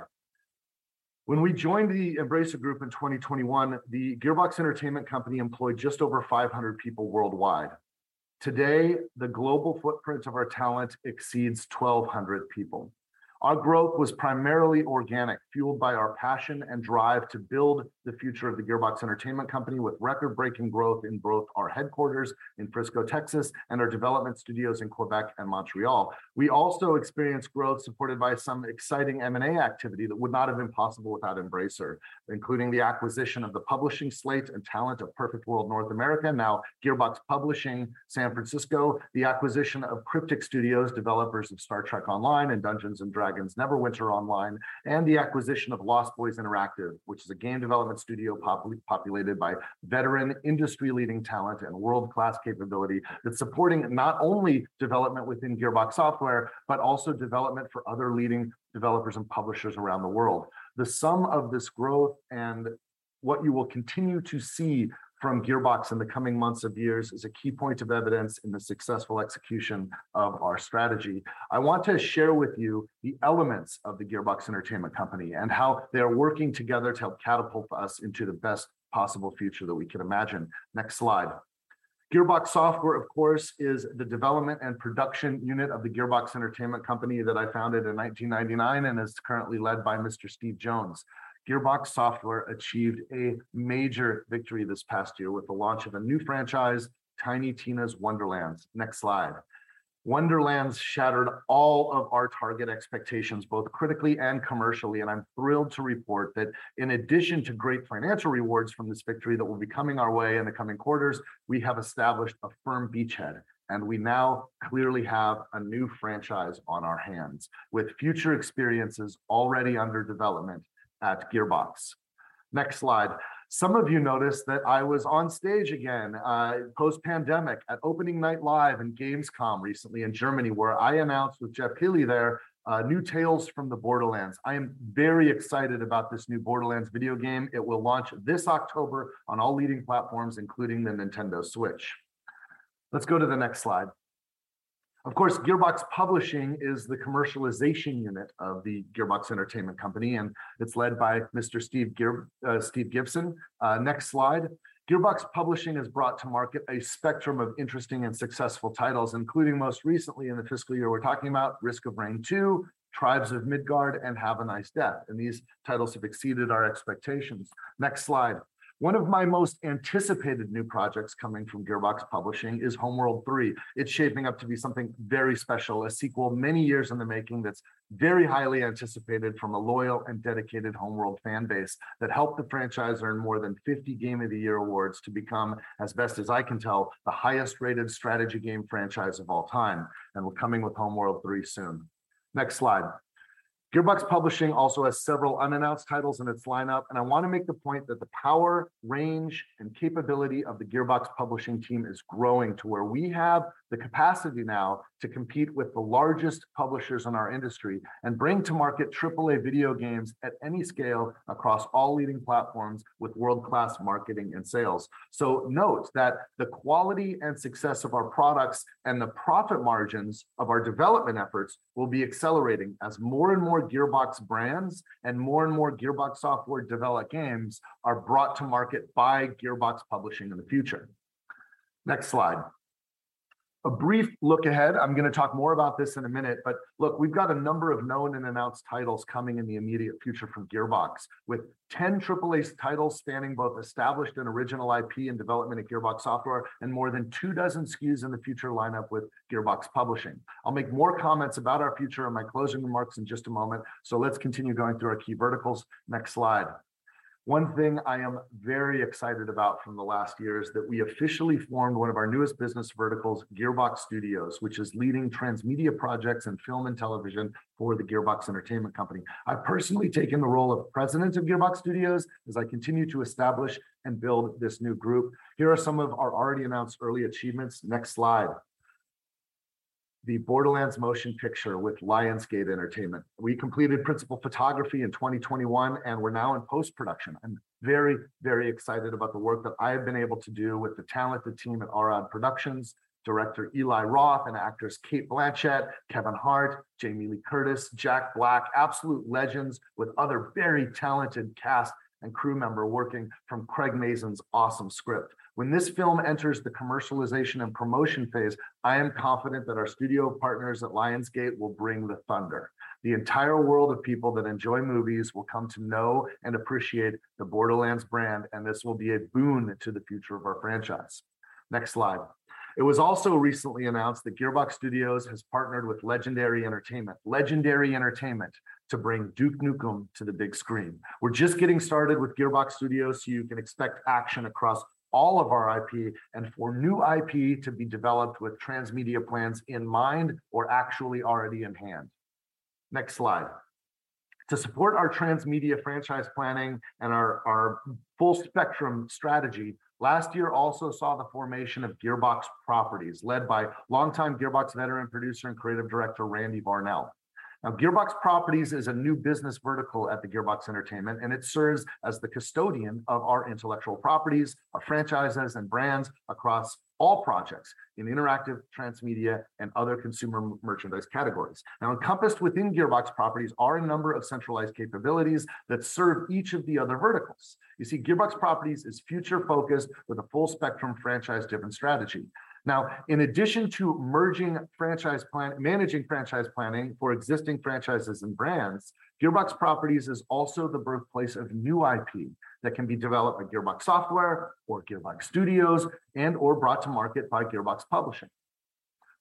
When we joined the Embracer Group in 2021, The Gearbox Entertainment Company employed just over 500 people worldwide. Today, the global footprint of our talent exceeds 1,200 people. Our growth was primarily organic, fueled by our passion and drive to build the future of The Gearbox Entertainment Company with record-breaking growth in both our headquarters in Frisco, Texas, and our development studios in Quebec and Montreal. We also experienced growth supported by some exciting M&A activity that would not have been possible without Embracer, including the acquisition of the publishing slate and talent of Perfect World North America, now Gearbox Publishing San Francisco, the acquisition of Cryptic Studios, developers of Star Trek Online and Dungeons & Dragons Neverwinter online, and the acquisition of Lost Boys Interactive, which is a game development studio populated by veteran industry-leading talent and world-class capability that's supporting not only development within Gearbox Software but also development for other leading developers and publishers around the world. The sum of this growth and what you will continue to see from Gearbox in the coming months and years is a key point of evidence in the successful execution of our strategy. I want to share with you the elements of The Gearbox Entertainment Company and how they are working together to help catapult us into the best possible future that we can imagine. Next slide. Gearbox Software, of course, is the development and production unit of The Gearbox Entertainment Company that I founded in 1999 and is currently led by Mr. Steve Jones. Gearbox Software achieved a major victory this past year with the launch of a new franchise, Tiny Tina's Wonderlands. Next slide. Wonderlands shattered all of our target expectations, both critically and commercially, and I'm thrilled to report that in addition to great financial rewards from this victory that will be coming our way in the coming quarters, we have established a firm beachhead, and we now clearly have a new franchise on our hands, with future experiences already under development at Gearbox. Next slide. Some of you noticed that I was on stage again post-pandemic at opening night live in gamescom recently in Germany, where I announced with Geoff Keighley there New Tales from the Borderlands. I am very excited about this new Borderlands video game. It will launch this October on all leading platforms, including the Nintendo Switch. Let's go to the next slide. Of course, Gearbox Publishing is the commercialization unit of The Gearbox Entertainment Company, and it's led by Mr. Steve Gibson. Next slide. Gearbox Publishing has brought to market a spectrum of interesting and successful titles, including most recently in the fiscal year we're talking about Risk of Rain 2, Tribes of Midgard, and Have a Nice Death, and these titles have exceeded our expectations. Next slide. One of my most anticipated new projects coming from Gearbox Publishing is Homeworld 3. It's shaping up to be something very special, a sequel many years in the making that's very highly anticipated from a loyal and dedicated Homeworld fan base that helped the franchise earn more than 50 Game of the Year awards to become, as best as I can tell, the highest-rated strategy game franchise of all time. We're coming with Homeworld 3 soon. Next slide. Gearbox Publishing also has several unannounced titles in its lineup, and I want to make the point that the power, range, and capability of the Gearbox Publishing team is growing to where we have the capacity now to compete with the largest publishers in our industry and bring to market AAA video games at any scale across all leading platforms with world-class marketing and sales. Note that the quality and success of our products and the profit margins of our development efforts will be accelerating as more and more Gearbox brands and more and more Gearbox Software-developed games are brought to market by Gearbox Publishing in the future. Next slide. A brief look ahead. I'm gonna talk more about this in a minute, but look, we've got a number of known and announced titles coming in the immediate future from Gearbox. With 10 AAA titles spanning both established and original IP in development at Gearbox Software and more than two dozens SKUs in the future lineup with Gearbox Publishing. I'll make more comments about our future in my closing remarks in just a moment, so let's continue going through our key verticals. Next slide. One thing I am very excited about from the last year is that we officially formed one of our newest business verticals, Gearbox Studios, which is leading transmedia projects in film and television for The Gearbox Entertainment Company. I've personally taken the role of President of Gearbox Studios as I continue to establish and build this new group. Here are some of our already announced early achievements. Next slide. The Borderlands motion picture with Lionsgate Entertainment. We completed principal photography in 2021, and we're now in post-production. I'm very, very excited about the work that I have been able to do with the talented team at Arad Productions, director Eli Roth, and actors Cate Blanchett, Kevin Hart, Jamie Lee Curtis, Jack Black, absolute legends, with other very talented cast and crew member working from Craig Mazin's awesome script. When this film enters the commercialization and promotion phase, I am confident that our studio partners at Lionsgate will bring the thunder. The entire world of people that enjoy movies will come to know and appreciate the Borderlands brand, and this will be a boon to the future of our franchise. Next slide. It was also recently announced that Gearbox Studios has partnered with Legendary Entertainment to bring Duke Nukem to the big screen. We're just getting started with Gearbox Studios, so you can expect action across all of our IP and for new IP to be developed with transmedia plans in mind or actually already in hand. Next slide. To support our transmedia franchise planning and our full spectrum strategy, last year also saw the formation of Gearbox Properties, led by longtime Gearbox veteran producer and creative director Randy Varnell. Now, Gearbox Properties is a new business vertical at the Gearbox Entertainment, and it serves as the custodian of our intellectual properties, our franchises, and brands across all projects in interactive, transmedia, and other consumer merchandise categories. Now, encompassed within Gearbox Properties are a number of centralized capabilities that serve each of the other verticals. You see, Gearbox Properties is future-focused with a full-spectrum franchise development strategy. Now, in addition to managing franchise planning for existing franchises and brands, Gearbox Properties is also the birthplace of new IP that can be developed by Gearbox Software or Gearbox Studios and/or brought to market by Gearbox Publishing.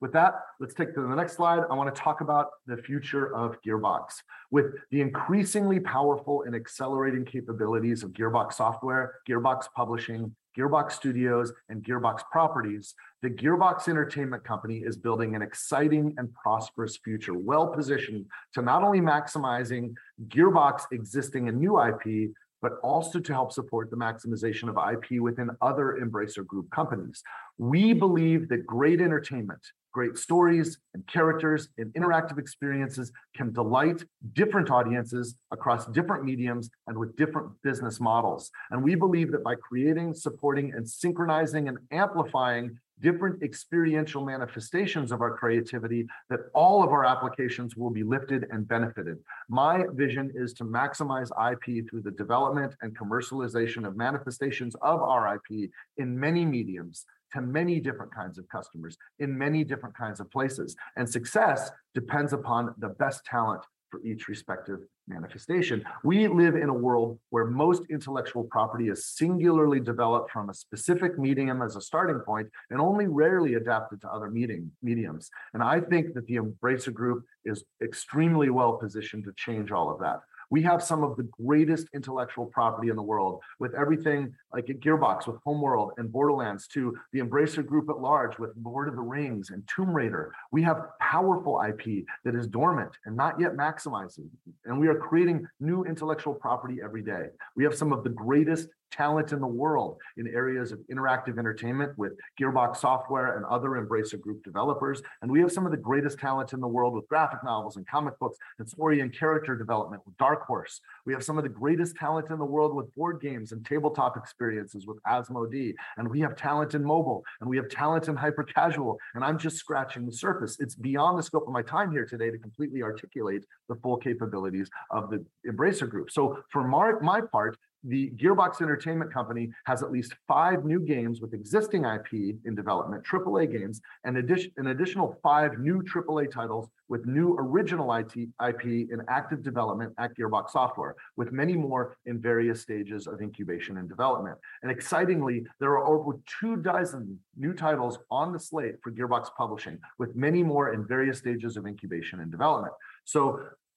With that, let's take it to the next slide. I wanna talk about the future of Gearbox. With the increasingly powerful and accelerating capabilities of Gearbox Software, Gearbox Publishing, Gearbox Studios, and Gearbox Properties, The Gearbox Entertainment Company is building an exciting and prosperous future, well-positioned to not only maximizing Gearbox existing and new IP, but also to help support the maximization of IP within other Embracer Group companies. We believe that great entertainment, great stories and characters, and interactive experiences can delight different audiences across different mediums and with different business models. We believe that by creating, supporting, and synchronizing and amplifying different experiential manifestations of our creativity, that all of our applications will be lifted and benefited. My vision is to maximize IP through the development and commercialization of manifestations of our IP in many mediums to many different kinds of customers in many different kinds of places. Success depends upon the best talent for each respective manifestation. We live in a world where most intellectual property is singularly developed from a specific medium as a starting point and only rarely adapted to other mediums. I think that the Embracer Group is extremely well-positioned to change all of that. We have some of the greatest intellectual property in the world, with everything like at Gearbox with Homeworld and Borderlands, to the Embracer Group at large with Lord of the Rings and Tomb Raider. We have powerful IP that is dormant and not yet maximizing, and we are creating new intellectual property every day. We have some of the greatest talent in the world in areas of interactive entertainment with Gearbox Software and other Embracer Group developers. We have some of the greatest talent in the world with graphic novels and comic books and story and character development with Dark Horse. We have some of the greatest talent in the world with board games and tabletop experiences with Asmodee. We have talent in mobile, and we have talent in hyper-casual, and I'm just scratching the surface. It's beyond the scope of my time here today to completely articulate the full capabilities of the Embracer Group. For my part, The Gearbox Entertainment Company has at least five new games with existing IP in development, AAA games, and an additional five new AAA titles with new original IP in active development at Gearbox Software, with many more in various stages of incubation and development. Excitingly, there are over two dozen new titles on the slate for Gearbox Publishing, with many more in various stages of incubation and development.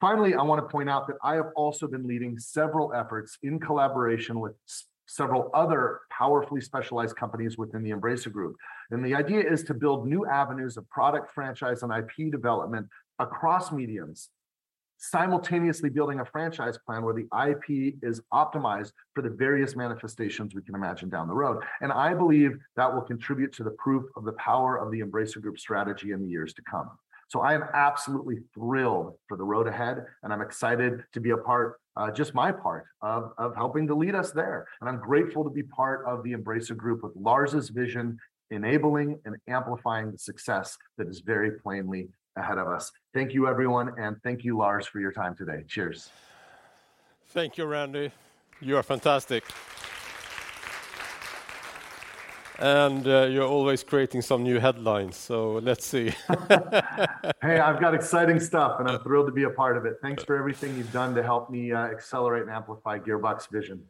Finally, I want to point out that I have also been leading several efforts in collaboration with several other powerfully specialized companies within the Embracer Group, and the idea is to build new avenues of product franchise and IP development across mediums, simultaneously building a franchise plan where the IP is optimized for the various manifestations we can imagine down the road. I believe that will contribute to the proof of the power of the Embracer Group strategy in the years to come. I am absolutely thrilled for the road ahead, and I'm excited to be a part, just my part of helping to lead us there. I'm grateful to be part of the Embracer Group with Lars' vision enabling and amplifying the success that is very plainly ahead of us. Thank you everyone, and thank you Lars, for your time today. Cheers. Thank you, Randy. You are fantastic. You're always creating some new headlines, so let's see. Hey, I've got exciting stuff, and I'm thrilled to be a part of it. Thanks for everything you've done to help me accelerate and amplify Gearbox vision.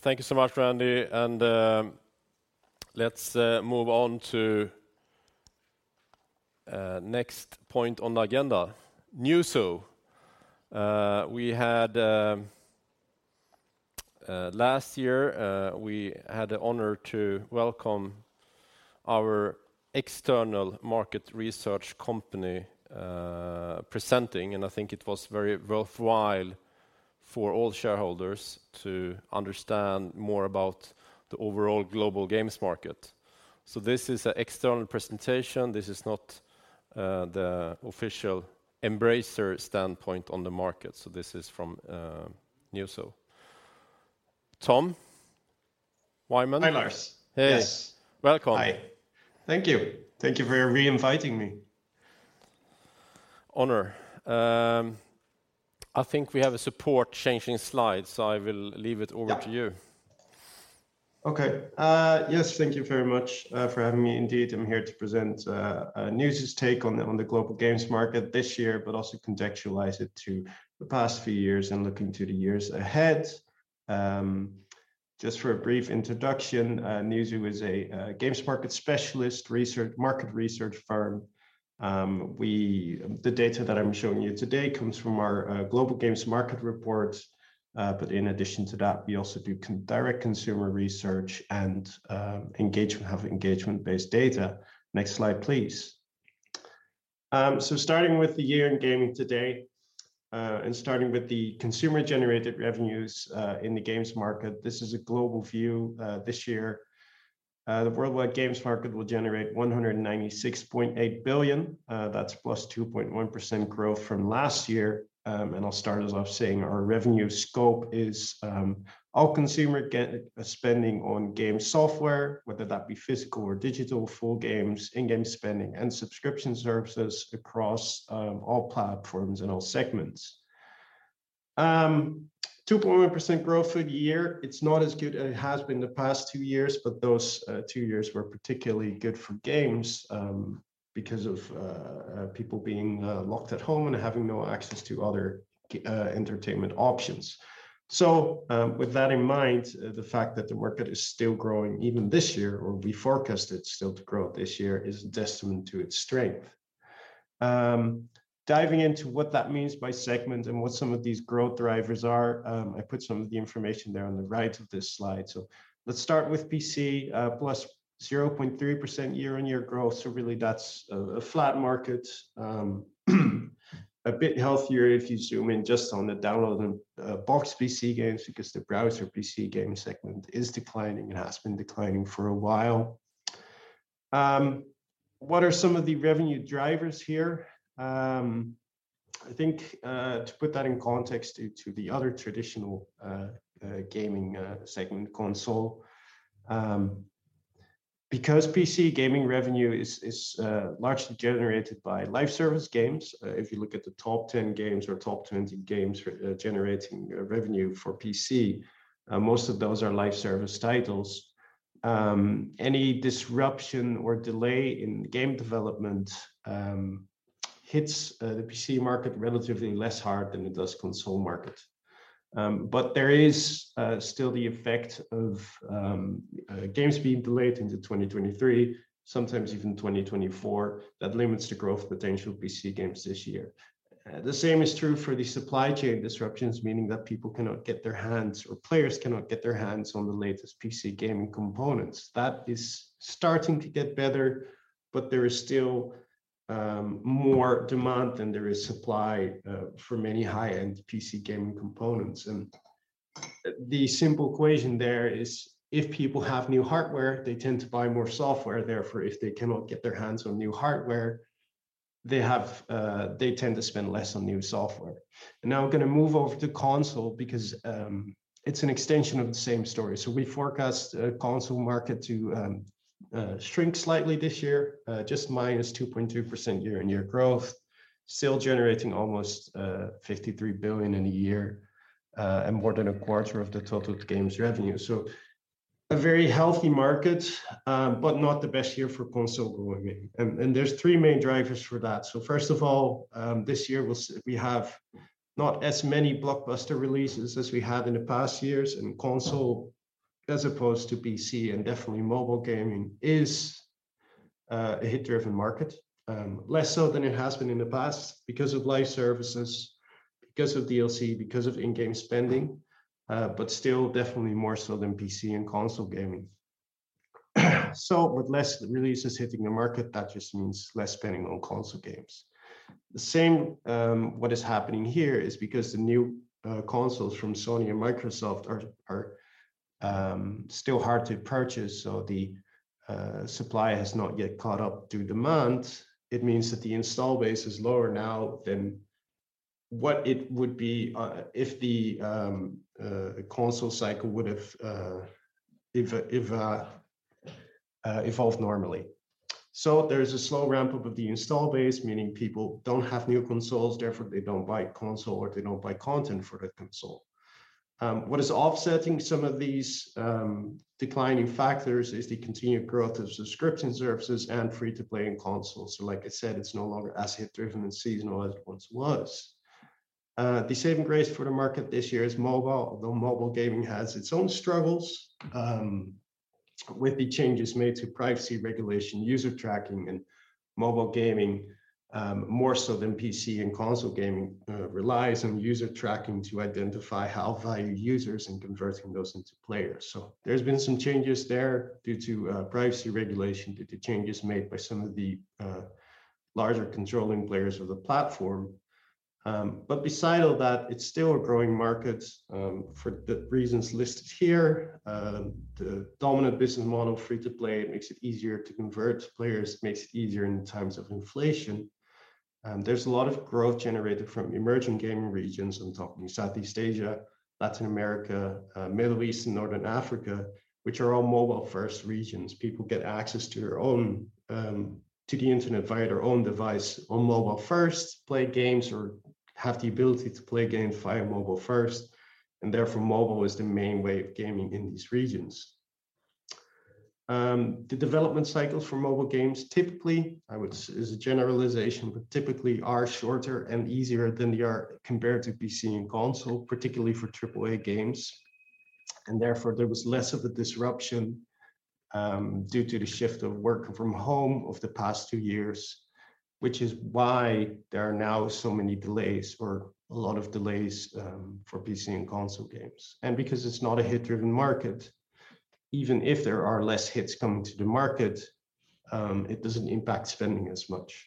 Thank you so much, Randy. Let's move on to next point on the agenda. Newzoo. Last year, we had the honor to welcome our external market research company presenting, and I think it was very worthwhile for all shareholders to understand more about the overall global games market. This is an external presentation. This is not the official Embracer standpoint on the market. This is from Newzoo. Tom Wijman. Hi, Lars. Hey. Yes. Welcome. Hi. Thank you. Thank you for re-inviting me. Honor. I think we have support changing slides, so I will leave it over to you. Yeah. Okay. Yes, thank you very much for having me. Indeed, I'm here to present Newzoo's take on the global games market this year, but also contextualize it to the past few years and looking to the years ahead. Just for a brief introduction, Newzoo is a games market specialist market research firm. The data that I'm showing you today comes from our Global Games Market Report. But in addition to that, we also do direct consumer research and engagement-based data. Next slide, please. So starting with the year in gaming to date, and starting with the consumer-generated revenues in the games market, this is a global view this year. The worldwide games market will generate $196.8 billion, that's +2.1% growth from last year. I'll start us off saying our revenue scope is all consumer spending on game software, whether that be physical or digital, full games, in-game spending, and subscription services across all platforms and all segments. 2.1% growth for the year, it's not as good as it has been the past two years, but those two years were particularly good for games, because of people being locked at home and having no access to other entertainment options. With that in mind, the fact that the market is still growing even this year, or we forecast it still to grow this year, is testament to its strength. Diving into what that means by segment and what some of these growth drivers are, I put some of the information there on the right of this slide. Let's start with PC, +0.3% year-on-year growth, so really that's a flat market. A bit healthier if you zoom in just on the download and box PC games because the browser PC gaming segment is declining and has been declining for a while. What are some of the revenue drivers here? I think to put that in context due to the other traditional gaming segment console because PC gaming revenue is largely generated by live service games. If you look at the top 10 games or top 20 games generating revenue for PC, most of those are live service titles. Any disruption or delay in game development hits the PC market relatively less hard than it does console market. There is still the effect of games being delayed into 2023, sometimes even 2024, that limits the growth potential of PC games this year. The same is true for the supply chain disruptions, meaning that players cannot get their hands on the latest PC gaming components. That is starting to get better, but there is still more demand than there is supply for many high-end PC gaming components. The simple equation there is if people have new hardware, they tend to buy more software. Therefore, if they cannot get their hands on new hardware, they tend to spend less on new software. Now we're gonna move over to console because it's an extension of the same story. We forecast the console market to shrink slightly this year, just -2.2% year-on-year growth, still generating almost $53 billion in a year, and more than 1/4 of the total games revenue. A very healthy market, but not the best year for console growing maybe. There's three main drivers for that. First of all, this year, we have not as many blockbuster releases as we had in the past years, and console, as opposed to PC and definitely mobile gaming, is a hit-driven market. Less so than it has been in the past because of live services, because of DLC, because of in-game spending, but still definitely more so than PC and console gaming. With less releases hitting the market, that just means less spending on console games. The same thing is happening here because the new consoles from Sony and Microsoft are still hard to purchase, so the supply has not yet caught up to demand. It means that the install base is lower now than what it would be if the console cycle would've evolved normally. There is a slow ramp-up of the install base, meaning people don't have new consoles, therefore they don't buy console or they don't buy content for the console. What is offsetting some of these declining factors is the continued growth of subscription services and free-to-play in consoles. Like I said, it's no longer as hit-driven and seasonal as it once was. The saving grace for the market this year is mobile, although mobile gaming has its own struggles with the changes made to privacy regulation, user tracking, and mobile gaming more so than PC and console gaming relies on user tracking to identify high-value users and converting those into players. There's been some changes there due to privacy regulation, due to changes made by some of the larger controlling players of the platform. Besides all that, it's still a growing market for the reasons listed here. The dominant business model, free-to-play, makes it easier to convert players, makes it easier in times of inflation. There's a lot of growth generated from emerging gaming regions. I'm talking Southeast Asia, Latin America, Middle East and Northern Africa, which are all mobile-first regions. People get access to their own, to the internet via their own device on mobile-first, play games or have the ability to play games via mobile-first, and therefore mobile is the main way of gaming in these regions. The development cycles for mobile games typically, as a generalization, but typically are shorter and easier than they are compared to PC and console, particularly for AAA games. Therefore, there was less of a disruption, due to the shift of working from home over the past two years, which is why there are now so many delays or a lot of delays, for PC and console games. Because it's not a hit-driven market, even if there are less hits coming to the market, it doesn't impact spending as much.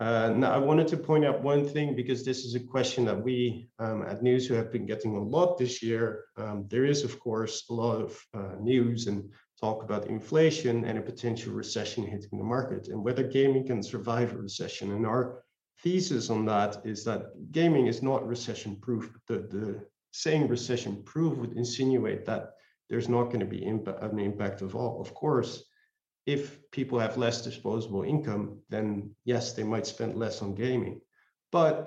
Now I wanted to point out one thing because this is a question that we, at Newzoo have been getting a lot this year. There is of course a lot of, news and talk about inflation and a potential recession hitting the market and whether gaming can survive a recession. Our thesis on that is that gaming is not recession-proof. The saying recession-proof would insinuate that there's not gonna be an impact at all. Of course, if people have less disposable income, then yes, they might spend less on gaming.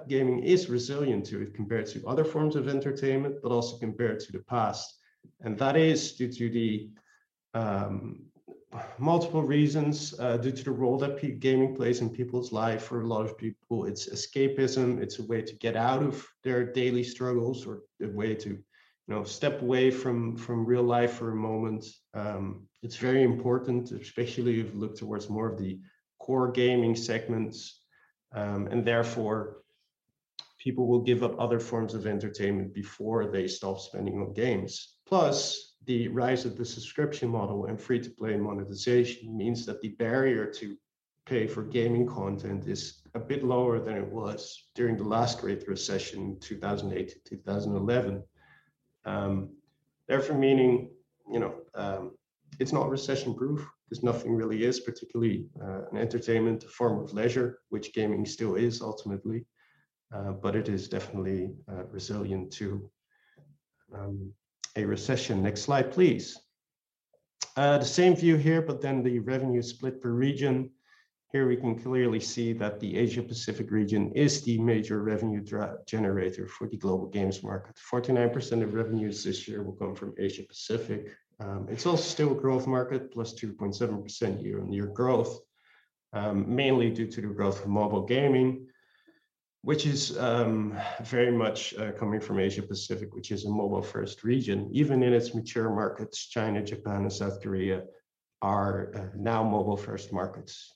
Gaming is resilient to it compared to other forms of entertainment, but also compared to the past. That is due to the multiple reasons due to the role that gaming plays in people's life. For a lot of people, it's escapism. It's a way to get out of their daily struggles or a way to, you know, step away from real life for a moment. It's very important, especially if you look towards more of the core gaming segments. Therefore, people will give up other forms of entertainment before they stop spending on games. Plus, the rise of the subscription model and free-to-play monetization means that the barrier to pay for gaming content is a bit lower than it was during the last great recession in 2008 to 2011. Therefore meaning, you know, it's not recession-proof, 'cause nothing really is, particularly, an entertainment form of leisure, which gaming still is ultimately. But it is definitely resilient to a recession. Next slide, please. The same view here, but then the revenue split per region. Here we can clearly see that the Asia-Pacific region is the major revenue generator for the global games market. 49% of revenues this year will come from Asia-Pacific. It's all still growth market, +2.7% year-on-year growth, mainly due to the growth of mobile gaming, which is very much coming from Asia-Pacific, which is a mobile-first region. Even in its mature markets, China, Japan, and South Korea are now mobile-first markets.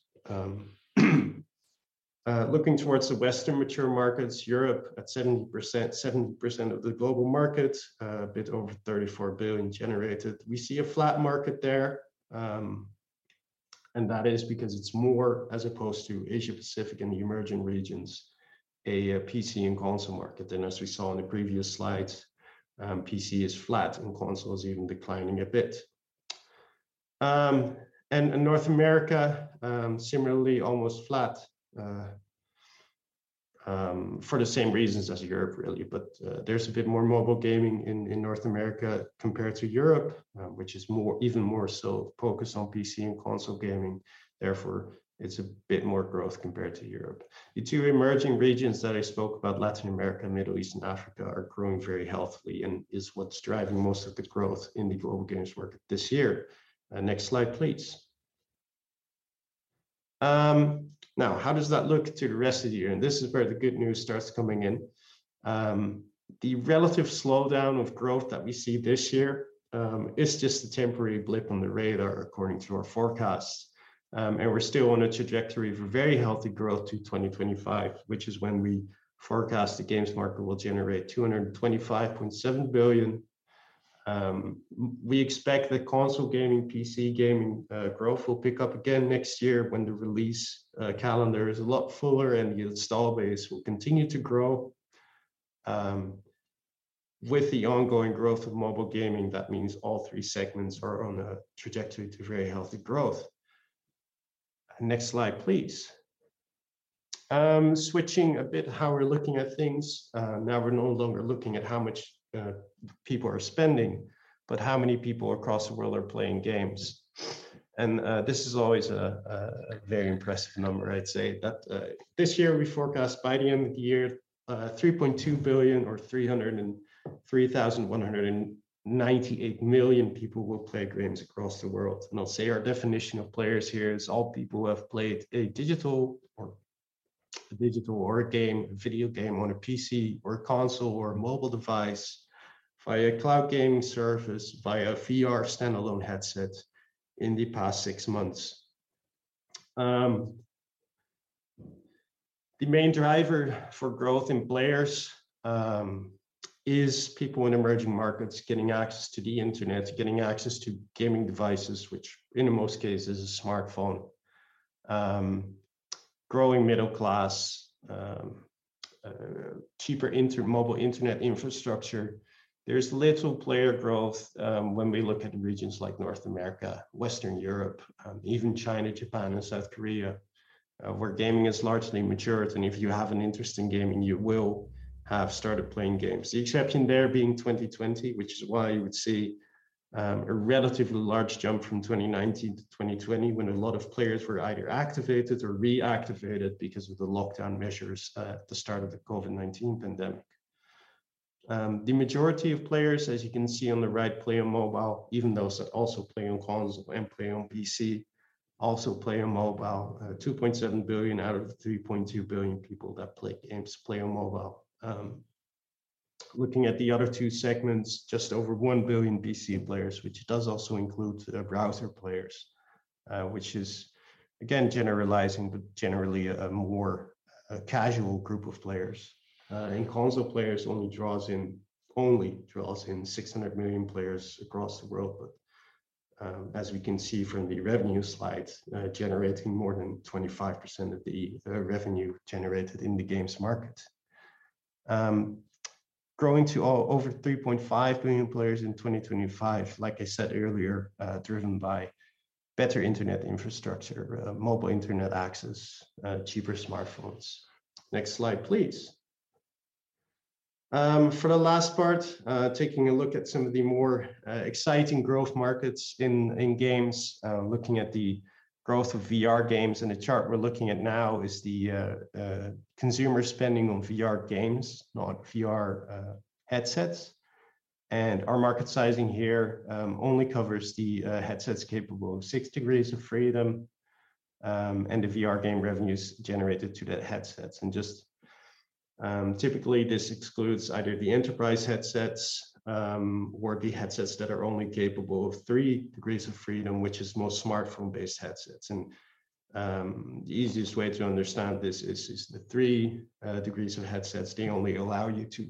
Looking towards the Western mature markets, Europe at 70%, 70% of the global market, a bit over $34 billion generated. We see a flat market there, and that is because it's more as opposed to Asia-Pacific and the emerging regions, a PC and console market. As we saw in the previous slides, PC is flat and console is even declining a bit. North America, similarly almost flat, for the same reasons as Europe really. There's a bit more mobile gaming in North America compared to Europe, which is even more so focused on PC and console gaming. Therefore, it's a bit more growth compared to Europe. The two emerging regions that I spoke about, Latin America, Middle East, and Africa, are growing very healthily and is what's driving most of the growth in the global games market this year. Next slide, please. Now how does that look to the rest of the year? This is where the good news starts coming in. The relative slowdown of growth that we see this year is just a temporary blip on the radar according to our forecasts. We're still on a trajectory of a very healthy growth to 2025, which is when we forecast the games market will generate $225.7 billion. We expect that console gaming, PC gaming growth will pick up again next year when the release calendar is a lot fuller and the install base will continue to grow. With the ongoing growth of mobile gaming, that means all three segments are on a trajectory to very healthy growth. Next slide, please. Switching a bit how we're looking at things. Now we're no longer looking at how much people are spending, but how many people across the world are playing games. This is always a very impressive number, I'd say. This year we forecast by the end of the year, 3.2 billion or 3,198 million people will play games across the world. I'll say our definition of players here is all people who have played a digital or a board game, video game on a PC or console or a mobile device, via cloud gaming service, via VR standalone headsets in the past six months. The main driver for growth in players is people in emerging markets getting access to the internet, getting access to gaming devices, which in most cases is a smartphone. Growing middle class, cheaper mobile internet infrastructure. There's little player growth when we look at regions like North America, Western Europe, even China, Japan, and South Korea, where gaming is largely mature. If you have an interest in gaming, you will have started playing games. The exception there being 2020, which is why you would see a relatively large jump from 2019 to 2020 when a lot of players were either activated or reactivated because of the lockdown measures at the start of the COVID-19 pandemic. The majority of players, as you can see on the right, play on mobile, even those that also play on console and play on PC also play on mobile. 2.7 billion out of the 3.2 billion people that play games play on mobile. Looking at the other two segments, just over 1 billion PC players, which does also include browser players, which is again generalizing, but generally a more casual group of players. Console players only draws in 600 million players across the world. As we can see from the revenue slides, generating more than 25% of the revenue generated in the games market. Growing to over 3.5 billion players in 2025, like I said earlier, driven by better internet infrastructure, mobile internet access, cheaper smartphones. Next slide, please. For the last part, taking a look at some of the more exciting growth markets in games, looking at the growth of VR games. The chart we're looking at now is the consumer spending on VR games, not VR headsets. Our market sizing here only covers the headsets capable of six degrees of freedom, and the VR game revenues generated to the headsets. Just typically this excludes either the enterprise headsets or the headsets that are only capable of three degrees of freedom, which is most smartphone-based headsets. The easiest way to understand this is the three degrees of headsets. They only allow you to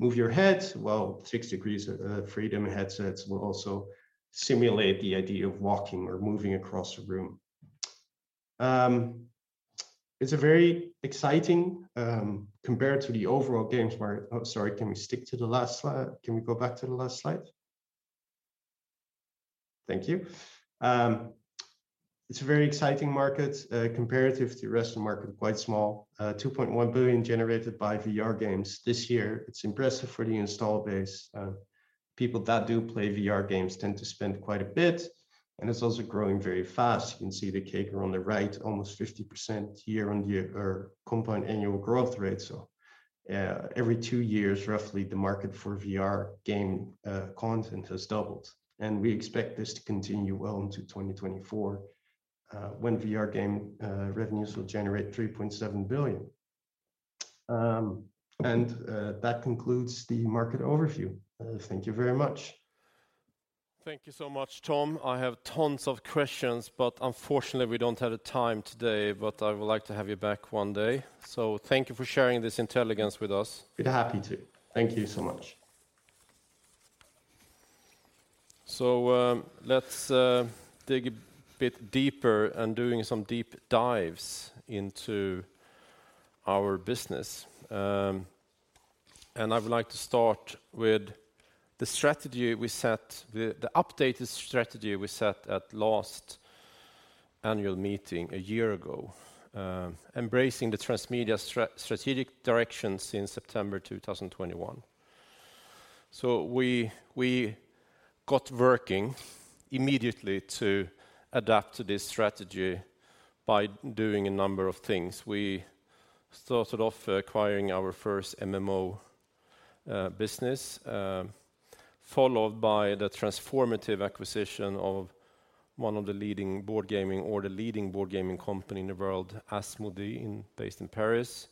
move your head, while six degrees of freedom headsets will also simulate the idea of walking or moving across a room. It's a very exciting compared to the overall games market. Oh, sorry, can we stick to the last slide? Can we go back to the last slide? Thank you. It's a very exciting market, comparative to the rest of the market, quite small. $2.1 billion generated by VR games this year. It's impressive for the install base. People that do play VR games tend to spend quite a bit, and it's also growing very fast. You can see the chart on the right, almost 50% year-on-year or compound annual growth rate. Every two years, roughly, the market for VR game content has doubled, and we expect this to continue well into 2024, when VR game revenues will generate $3.7 billion. That concludes the market overview. Thank you very much. Thank you so much, Tom. I have tons of questions, but unfortunately we don't have the time today. I would like to have you back one day. Thank you for sharing this intelligence with us. Be happy to. Thank you so much. Let's dig a bit deeper and doing some deep dives into our business. I would like to start with the updated strategy we set at last annual meeting a year ago, embracing the transmedia strategic direction since September 2021. We got working immediately to adapt to this strategy by doing a number of things. We started off acquiring our first MMO business, followed by the transformative acquisition of one of the leading board game, or the leading board game company in the world, Asmodee, based in Paris.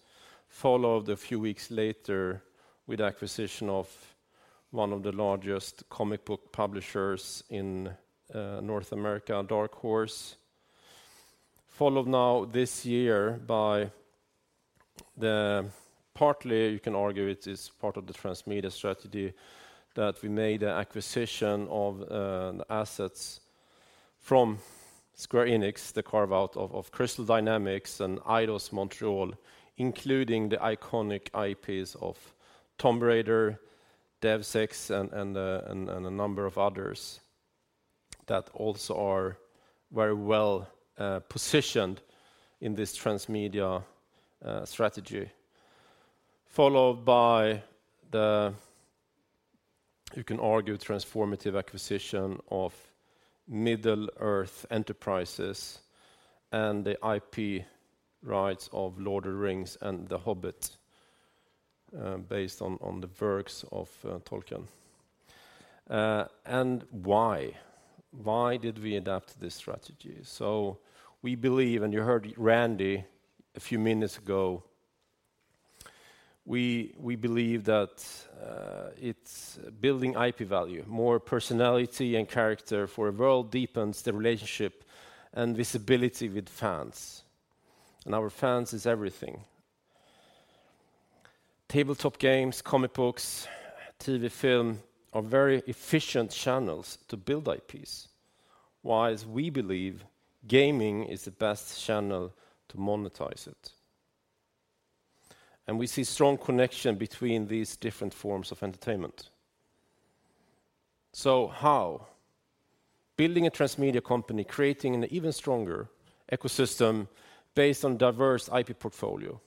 Followed a few weeks later with acquisition of one of the largest comic book publishers in North America, Dark Horse. Followed now this year by the partly you can argue it is part of the transmedia strategy, that we made an acquisition of the assets from Square Enix, the carve-out of Crystal Dynamics and Eidos-Montréal, including the iconic IPs of Tomb Raider, Deus Ex, and a number of others that also are very well positioned in this transmedia strategy. Followed by the, you can argue, transformative acquisition of Middle-earth Enterprises and the IP rights of Lord of the Rings and The Hobbit, based on the works of Tolkien. Why did we adopt this strategy? We believe, and you heard Randy a few minutes ago, we believe that it's building IP value, more personality and character for a world deepens the relationship and visibility with fans. Our fans is everything. Tabletop games, comic books, TV, film are very efficient channels to build IPs, while we believe gaming is the best channel to monetize it. We see strong connection between these different forms of entertainment. So, how? Building a transmedia company, creating an even stronger ecosystem based on diverse IP portfolio,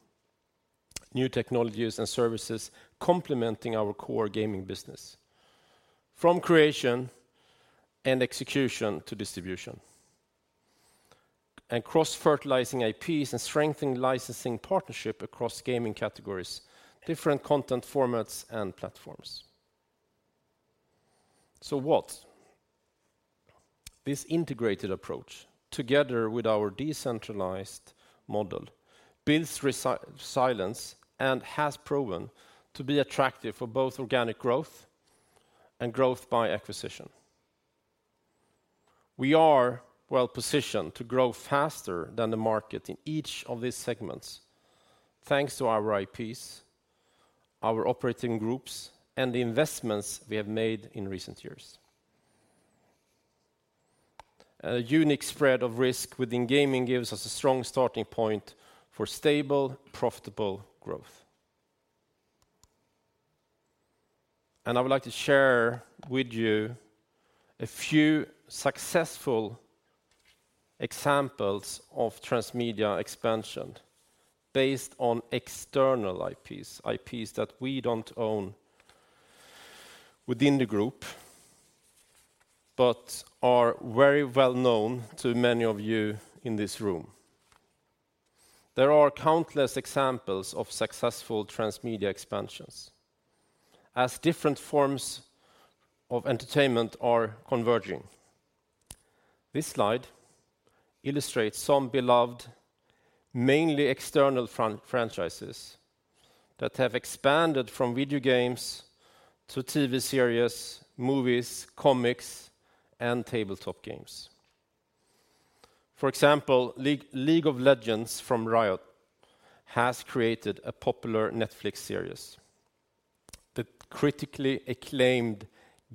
new technologies and services complementing our core gaming business from creation and execution to distribution. Cross-fertilizing IPs and strengthening licensing partnership across gaming categories, different content formats, and platforms. So, what? This integrated approach, together with our decentralized model, builds resilience and has proven to be attractive for both organic growth and growth by acquisition. We are well positioned to grow faster than the market in each of these segments, thanks to our IPs, our operating groups, and the investments we have made in recent years. A unique spread of risk within gaming gives us a strong starting point for stable, profitable growth. I would like to share with you a few successful examples of transmedia expansion based on external IPs that we don't own within the group but are very well known to many of you in this room. There are countless examples of successful transmedia expansions as different forms of entertainment are converging. This slide illustrates some beloved, mainly external franchises that have expanded from video games to TV series, movies, comics, and tabletop games. For example, League of Legends from Riot has created a popular Netflix series. The critically acclaimed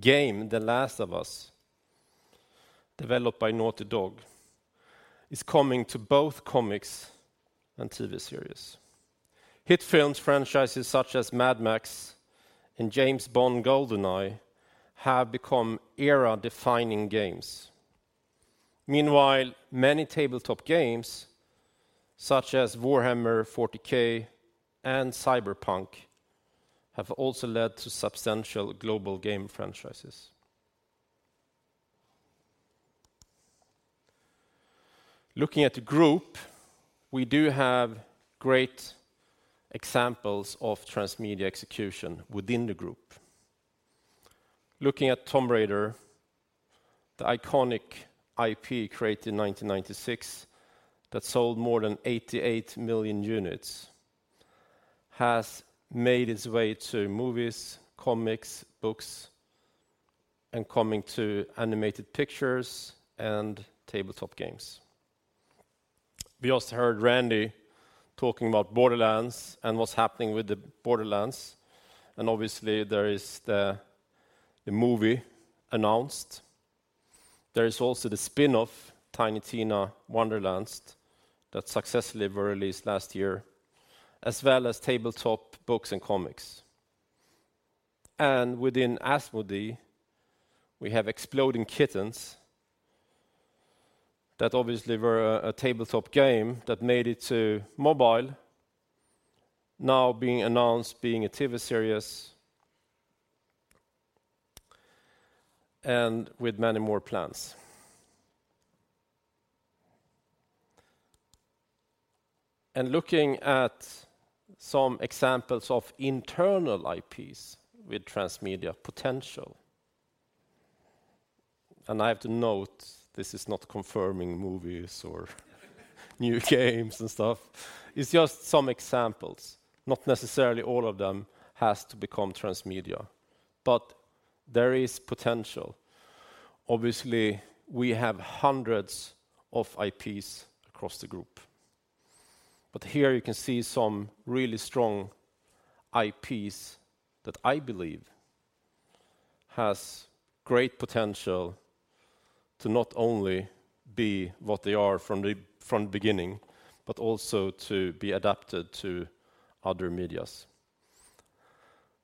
game, The Last of Us, developed by Naughty Dog, is coming to both comics and TV series. Hit film franchises such as Mad Max and James Bond GoldenEye have become era-defining games. Meanwhile, many tabletop games, such as Warhammer 40K and Cyberpunk, have also led to substantial global game franchises. Looking at the group, we do have great examples of transmedia execution within the group. Looking at Tomb Raider, the iconic IP created in 1996 that sold more than 88 million units, has made its way to movies, comics, books, and coming to animated pictures and tabletop games. We also heard Randy talking about Borderlands and what's happening with the Borderlands, and obviously there is the movie announced. There is also the spin-off of Tiny Tina's Wonderlands that successfully were released last year, as well as tabletop books and comics. Within Asmodee, we have Exploding Kittens that obviously were a tabletop game that made it to mobile, now being announced as a TV series, and with many more plans. Looking at some examples of internal IPs with transmedia potential, and I have to note this is not confirming movies or new games and stuff. It's just some examples. Not necessarily all of them has to become transmedia, but there is potential. Obviously, we have hundreds of IPs across the group. Here you can see some really strong IPs that I believe has great potential to not only be what they are from the beginning, but also to be adapted to other medias.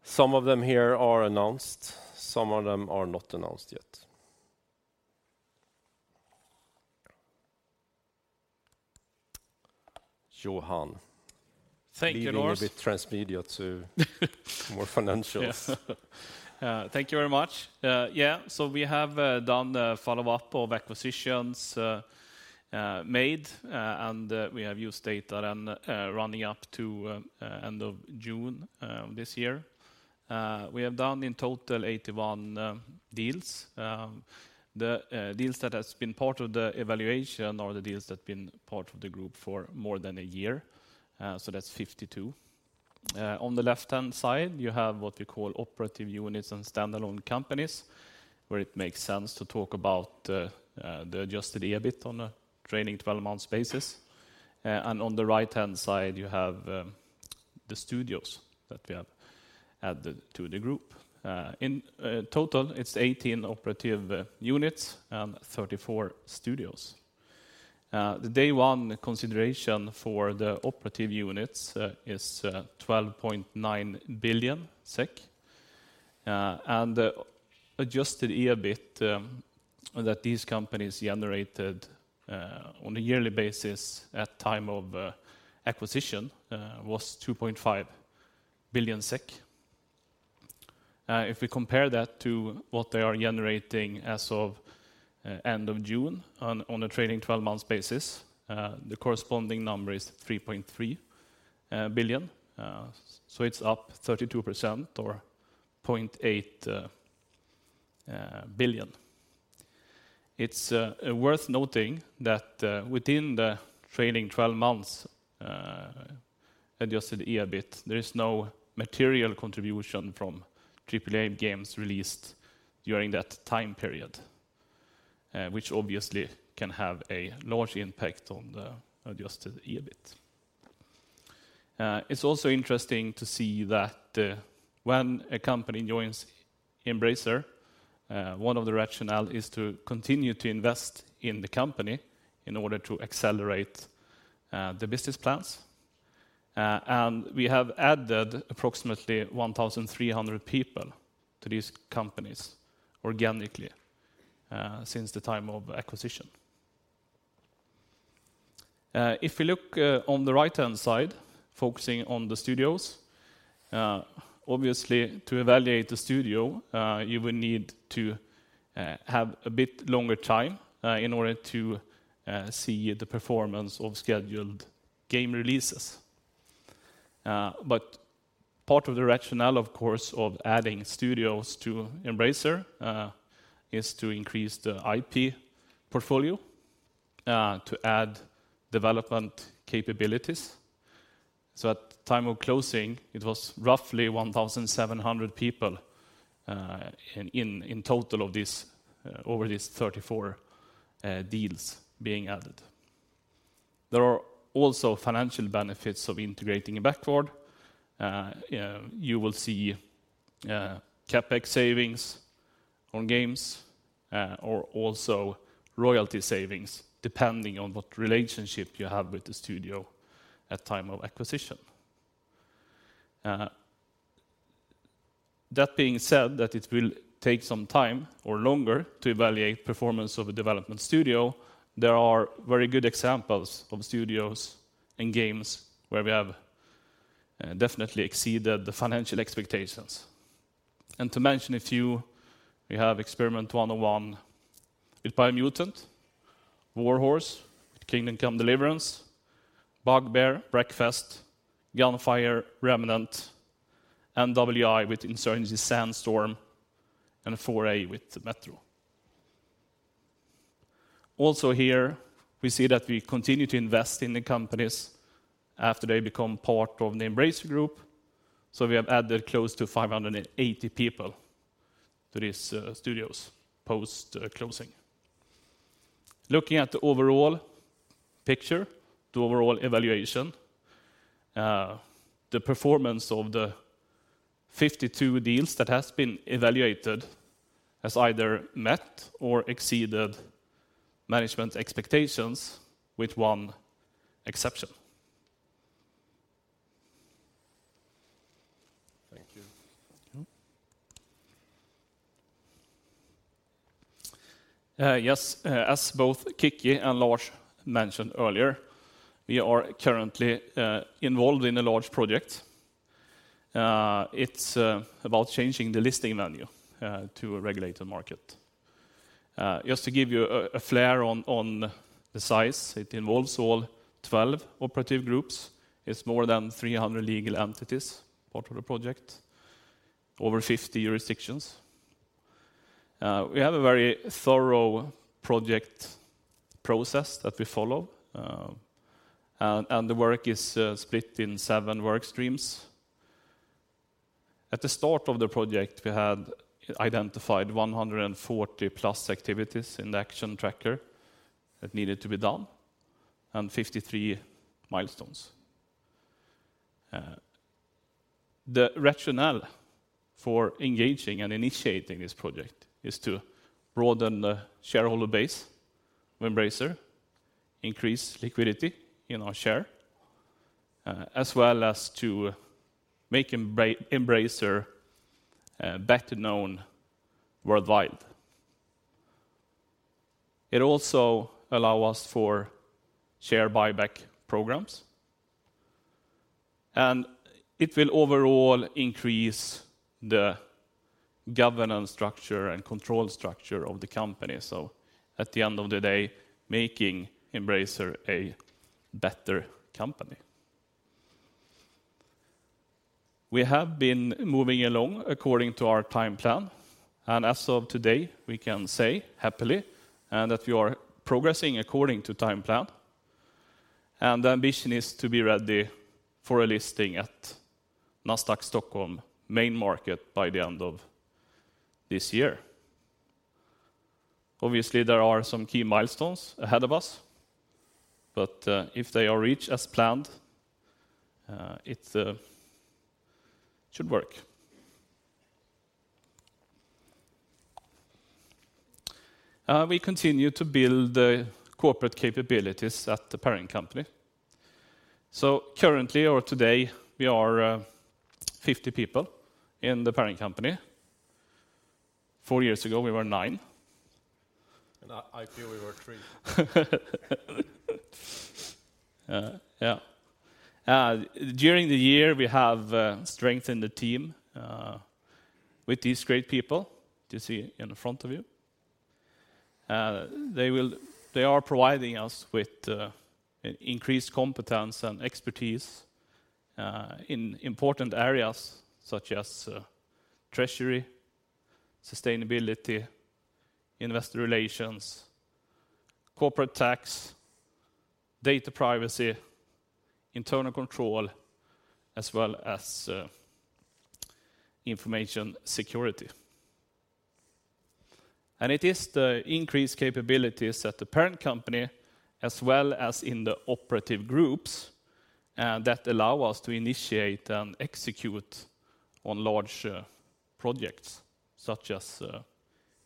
Some of them here are announced, some of them are not announced yet. Johan? Thank you, Lars. Leaving a bit transmedia to more financials. Yes. Thank you very much. We have done the follow-up of acquisitions made, and we have used data running up to end of June this year. We have done in total 81 deals. The deals that has been part of the evaluation or the deals that been part of the group for more than a year, that's 52. On the left-hand side, you have what we call operative units and standalone companies, where it makes sense to talk about the adjusted EBIT on a trailing 12 months basis. On the right-hand side, you have the studios that we have added to the group. In total, it's 18 operative units and 34 studios. The day one consideration for the operative units is 12.9 billion SEK. An adjusted EBIT that these companies generated on a yearly basis at time of acquisition was 2.5 billion SEK. If we compare that to what they are generating as of end of June on a trailing 12 months basis, the corresponding number is 3.3 billion. It's up 32% or 0.8 billion. It's worth noting that within the trailing 12 months adjusted EBIT, there is no material contribution from AAA games released during that time period, which obviously can have a large impact on the adjusted EBIT. It's also interesting to see that, when a company joins Embracer, one of the rationale is to continue to invest in the company in order to accelerate, the business plans. We have added approximately 1,300 people to these companies organically, since the time of acquisition. If you look, on the right-hand side, focusing on the studios, obviously, to evaluate the studio, you will need to, have a bit longer time, in order to, see the performance of scheduled game releases. Part of the rationale, of course, of adding studios to Embracer, is to increase the IP portfolio, to add development capabilities. At time of closing, it was roughly 1,700 people, in total of this, over these 34 deals being added. There are also financial benefits of integrating backward. You know, you will see CapEx savings on games, or also royalty savings depending on what relationship you have with the studio at time of acquisition. That being said, it will take some time or longer to evaluate performance of a development studio. There are very good examples of studios and games where we have definitely exceeded the financial expectations. To mention a few, we have Experiment 101 with Biomutant, Warhorse, Kingdom Come: Deliverance, Bugbear, Wreckfest, Gunfire, Remnant, NWI with Insurgency: Sandstorm, and 4A with Metro. Also here, we see that we continue to invest in the companies after they become part of the Embracer Group. We have added close to 580 people to these studios post closing. Looking at the overall picture, the overall evaluation, the performance of the 52 deals that has been evaluated has either met or exceeded management expectations with one exception. Thank you. Yes, as both Kicki and Lars mentioned earlier, we are currently involved in a large project. It's about changing the listing venue to a regulated market. Just to give you a flavor of the size, it involves all 12 operative groups. It's more than 300 legal entities, part of the project, over 50 jurisdictions. We have a very thorough project process that we follow, and the work is split in seven work streams. At the start of the project, we had identified 140+ activities in the action tracker that needed to be done, and 53 milestones. The rationale for engaging and initiating this project is to broaden the shareholder base of Embracer, increase liquidity in our share, as well as to make Embracer better known worldwide. It also allow us for share buyback programs, and it will overall increase the governance structure and control structure of the company. At the end of the day, making Embracer a better company. We have been moving along according to our time plan, and as of today, we can say happily, that we are progressing according to time plan. The ambition is to be ready for a listing at Nasdaq Stockholm main market by the end of this year. Obviously, there are some key milestones ahead of us, but, if they are reached as planned, it should work. We continue to build the corporate capabilities at the parent company. Currently or today, we are 50 people in the parent company. Four years ago, we were nine. At IPO, we were three. Yeah. During the year, we have strengthened the team with these great people you see in front of you. They are providing us with increased competence and expertise in important areas such as treasury, sustainability, investor relations, corporate tax, data privacy, internal control, as well as information security. It is the increased capabilities at the parent company as well as in the operative groups that allow us to initiate and execute on large projects such as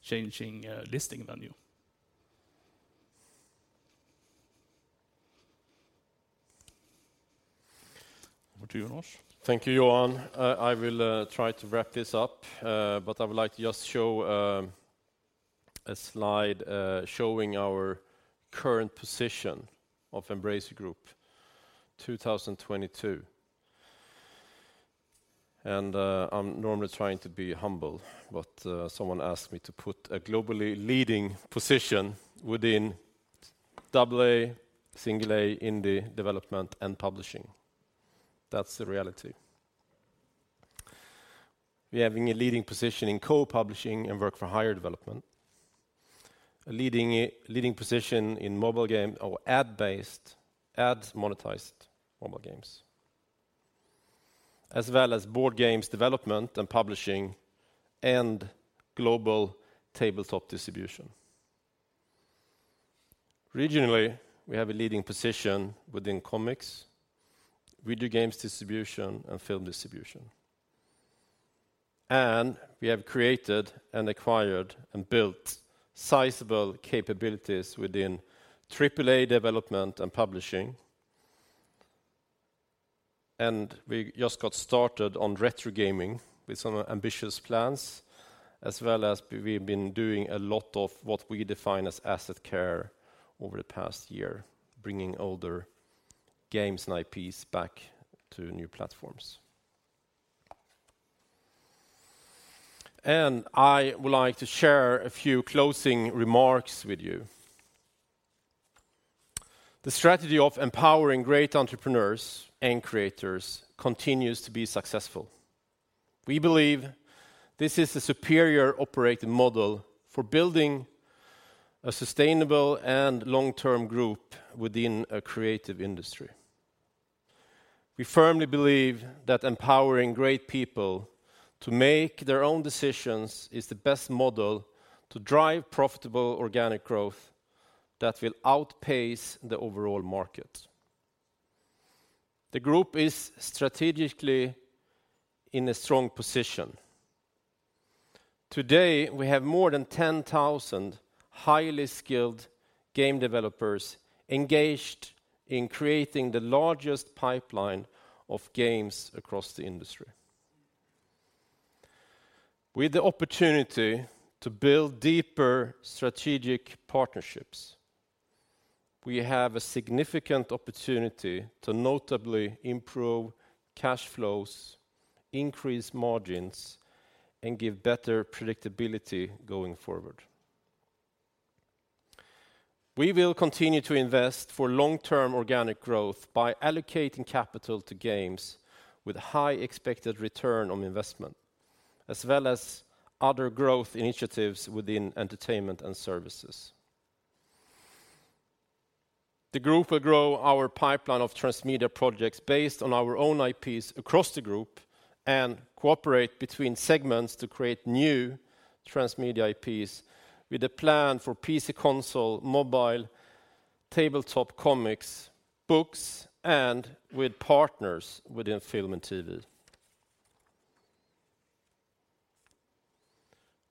changing listing venue. Over to you, Lars. Thank you, Johan. I will try to wrap this up, but I would like to just show a slide showing our current position of Embracer Group 2022. I'm normally trying to be humble, but someone asked me to put a globally leading position within AA, A in the development and publishing. That's the reality. We have a leading position in co-publishing and work-for-hire development, a leading position in mobile game or ads monetized mobile games, as well as board games development and publishing and global tabletop distribution. Regionally, we have a leading position within comics, video games distribution, and film distribution. We have created and acquired and built sizable capabilities within AAA development and publishing. We just got started on retro gaming with some ambitious plans, as well as we've been doing a lot of what we define as asset care over the past year, bringing older games and IPs back to new platforms. I would like to share a few closing remarks with you. The strategy of empowering great entrepreneurs and creators continues to be successful. We believe this is a superior operating model for building a sustainable and long-term group within a creative industry. We firmly believe that empowering great people to make their own decisions is the best model to drive profitable organic growth that will outpace the overall market. The group is strategically in a strong position. Today, we have more than 10,000 highly skilled game developers engaged in creating the largest pipeline of games across the industry. With the opportunity to build deeper strategic partnerships, we have a significant opportunity to notably improve cash flows, increase margins, and give better predictability going forward. We will continue to invest for long-term organic growth by allocating capital to games with high expected return on investment, as well as other growth initiatives within entertainment and services. The group will grow our pipeline of transmedia projects based on our own IPs across the group and cooperate between segments to create new transmedia IPs with a plan for PC console, mobile, tabletop comics, books, and with partners within film and TV.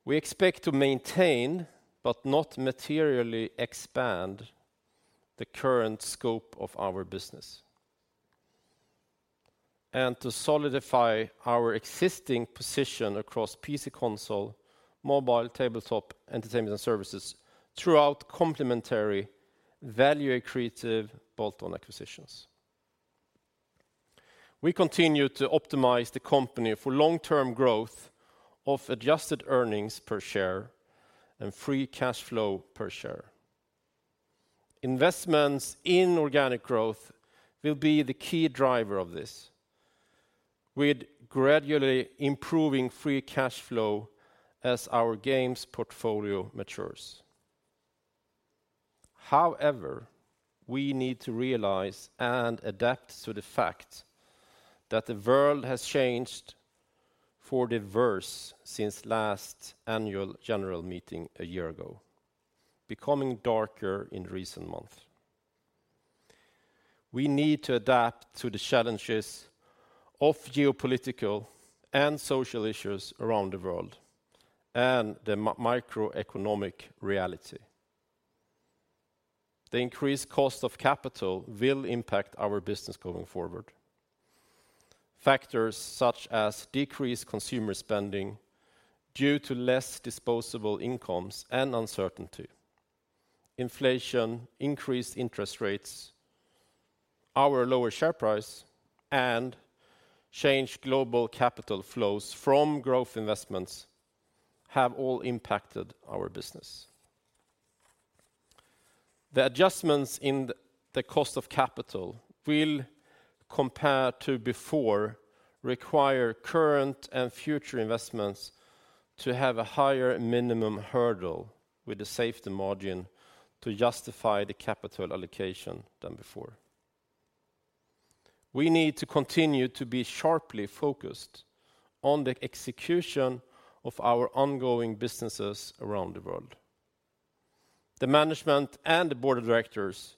We expect to maintain, but not materially expand, the current scope of our business, and to solidify our existing position across PC console, mobile, tabletop, entertainment, and services throughout complementary value-accretive bolt-on acquisitions. We continue to optimize the company for long-term growth of adjusted earnings per share and free cash flow per share. Investments in organic growth will be the key driver of this, with gradually improving free cash flow as our games portfolio matures. However, we need to realize and adapt to the fact that the world has changed for the worse since last Annual General Meeting a year ago, becoming darker in recent months. We need to adapt to the challenges of geopolitical and social issues around the world and the macroeconomic reality. The increased cost of capital will impact our business going forward. Factors such as decreased consumer spending due to less disposable incomes and uncertainty, inflation, increased interest rates, our lower share price, and changed global capital flows from growth investments have all impacted our business. The adjustments in the cost of capital will, compared to before, require current and future investments to have a higher minimum hurdle with the safety margin to justify the capital allocation than before. We need to continue to be sharply focused on the execution of our ongoing businesses around the world. The management and the Board of Directors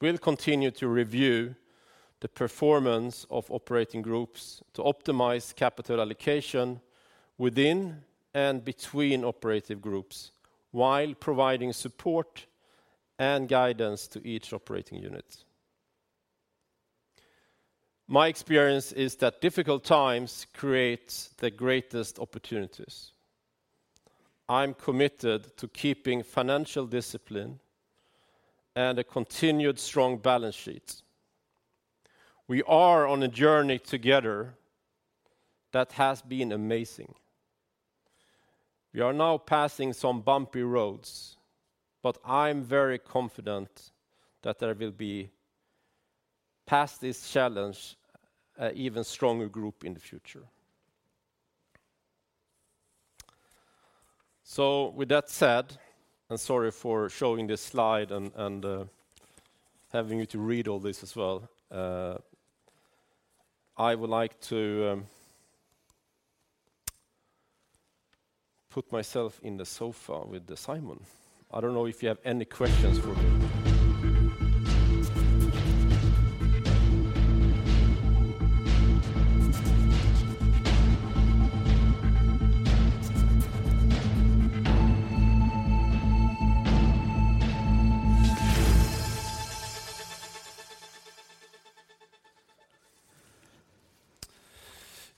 will continue to review the performance of operating groups to optimize capital allocation within and between operative groups while providing support and guidance to each operating unit. My experience is that difficult times create the greatest opportunities. I'm committed to keeping financial discipline and a continued strong balance sheet. We are on a journey together that has been amazing. We are now passing some bumpy roads, but I'm very confident that there will be, past this challenge, a even stronger group in the future. With that said, and sorry for showing this slide and having you to read all this as well, I would like to put myself in the sofa with Simon. I don't know if you have any questions for me.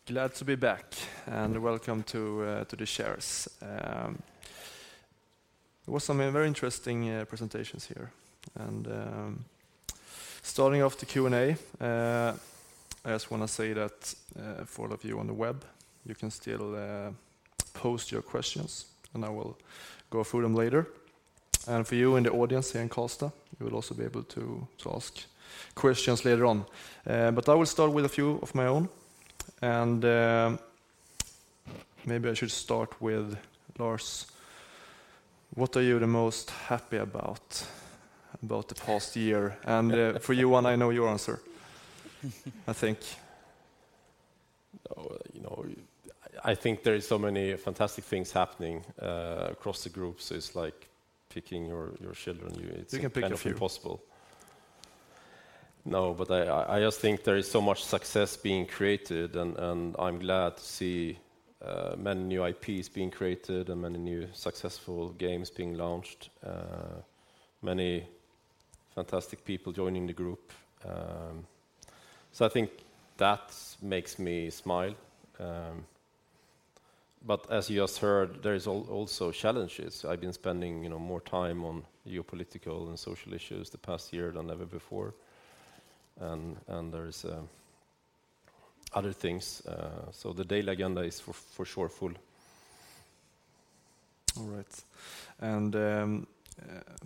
Glad to be back, and welcome to the shareholders. There was some very interesting presentations here. Starting off the Q&A, I just wanna say that for all of you on the web, you can still post your questions, and I will go through them later. For you in the audience here in Karlstad, you will also be able to ask questions later on. I will start with a few of my own. Maybe I should start with Lars. What are you the most happy about the past year? For you, Johan, I know your answer, I think. No, you know, I think there is so many fantastic things happening across the group, so it's like picking your children. We can pick a few. Impossible. No, I just think there is so much success being created, and I'm glad to see many new IPs being created and many new successful games being launched, many fantastic people joining the group. I think that makes me smile. As you just heard, there is also challenges. I've been spending, you know, more time on geopolitical and social issues the past year than ever before, and there is other things. The daily agenda is for sure full. All right.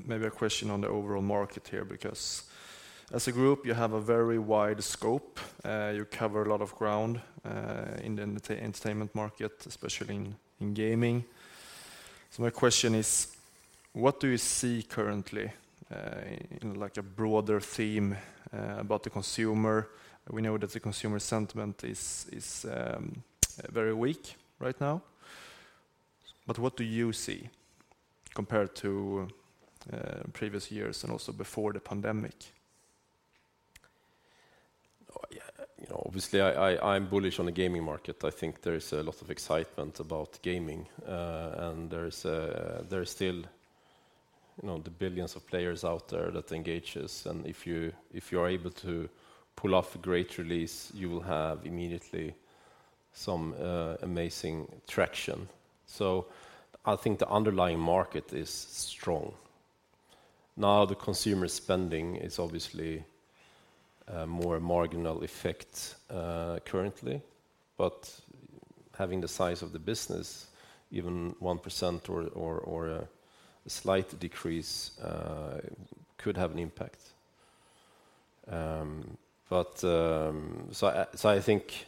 Maybe a question on the overall market here, because as a group, you have a very wide scope. You cover a lot of ground in the entertainment market, especially in gaming. My question is: What do you see currently in like a broader theme about the consumer? We know that the consumer sentiment is very weak right now. What do you see compared to previous years and also before the pandemic? Oh, yeah. You know, obviously, I'm bullish on the gaming market. I think there is a lot of excitement about gaming. There is still, you know, the billions of players out there that engages. If you're able to pull off a great release, you will have immediately some amazing traction. I think the underlying market is strong. Now, the consumer spending is obviously a more marginal effect currently, but having the size of the business, even 1% or a slight decrease could have an impact. I think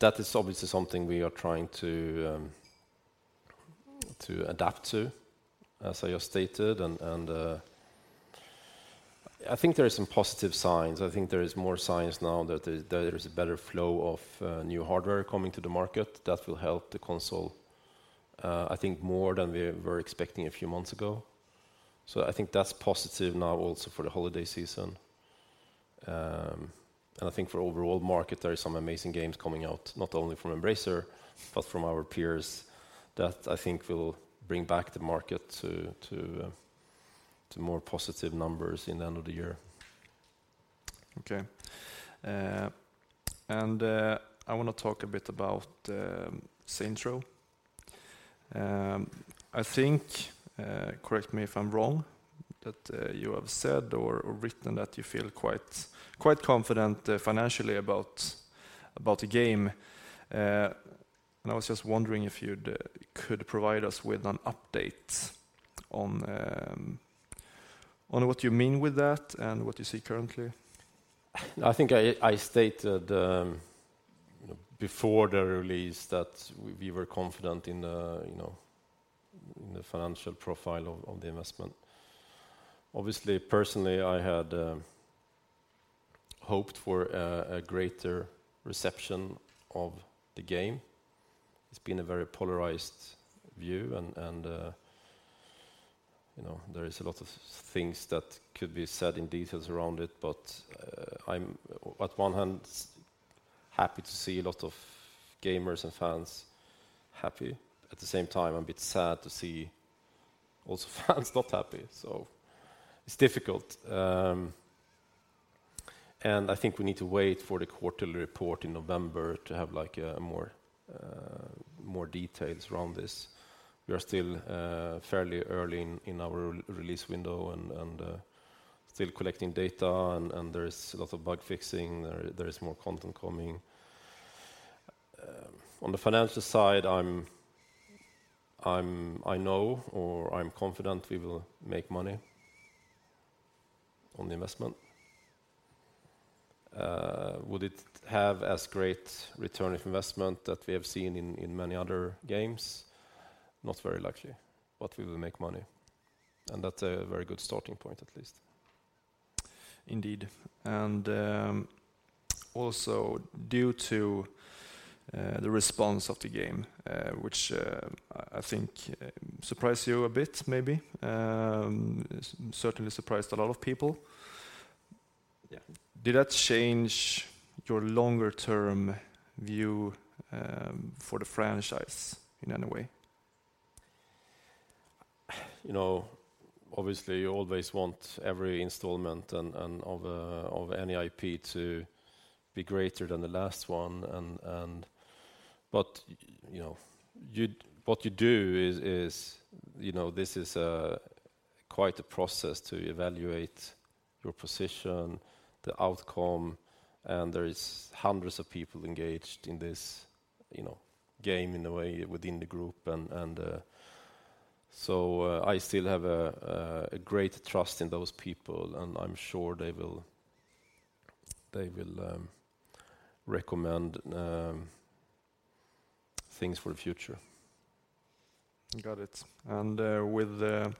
that is obviously something we are trying to adapt to, as I just stated. I think there are some positive signs. I think there is more signs now that there is a better flow of new hardware coming to the market that will help the console, I think more than we were expecting a few months ago. I think that's positive now also for the holiday season. I think for overall market, there is some amazing games coming out, not only from Embracer, but from our peers that I think will bring back the market to more positive numbers in the end of the year. I wanna talk a bit about Saints Row. I think, correct me if I'm wrong, that you have said or written that you feel quite confident financially about the game. I was just wondering if you could provide us with an update on what you mean with that and what you see currently. I think I stated before the release that we were confident in, you know, in the financial profile of the investment. Obviously, personally, I had hoped for a greater reception of the game. It's been a very polarized view and, you know, there is a lot of things that could be said in detail around it, but I'm on one hand happy to see a lot of gamers and fans happy. At the same time, I'm a bit sad to see also fans not happy. It's difficult. I think we need to wait for the quarterly report in November to have, like, more details around this. We are still fairly early in our release window and still collecting data and there is a lot of bug fixing. There is more content coming. On the financial side, I know or I'm confident we will make money on the investment. Would it have as great return on investment that we have seen in many other games? Not very likely, but we will make money, and that's a very good starting point at least. Indeed. Also due to the response of the game, which I think surprised you a bit maybe, certainly surprised a lot of people. Yeah. Did that change your longer term view, for the franchise in any way? You know, obviously you always want every installment and of any IP to be greater than the last one, but you know, what you do is, you know, this is quite a process to evaluate your position, the outcome, and there is hundreds of people engaged in this, you know, game in a way within the group, and so I still have a great trust in those people, and I'm sure they will recommend things for the future. Got it. With the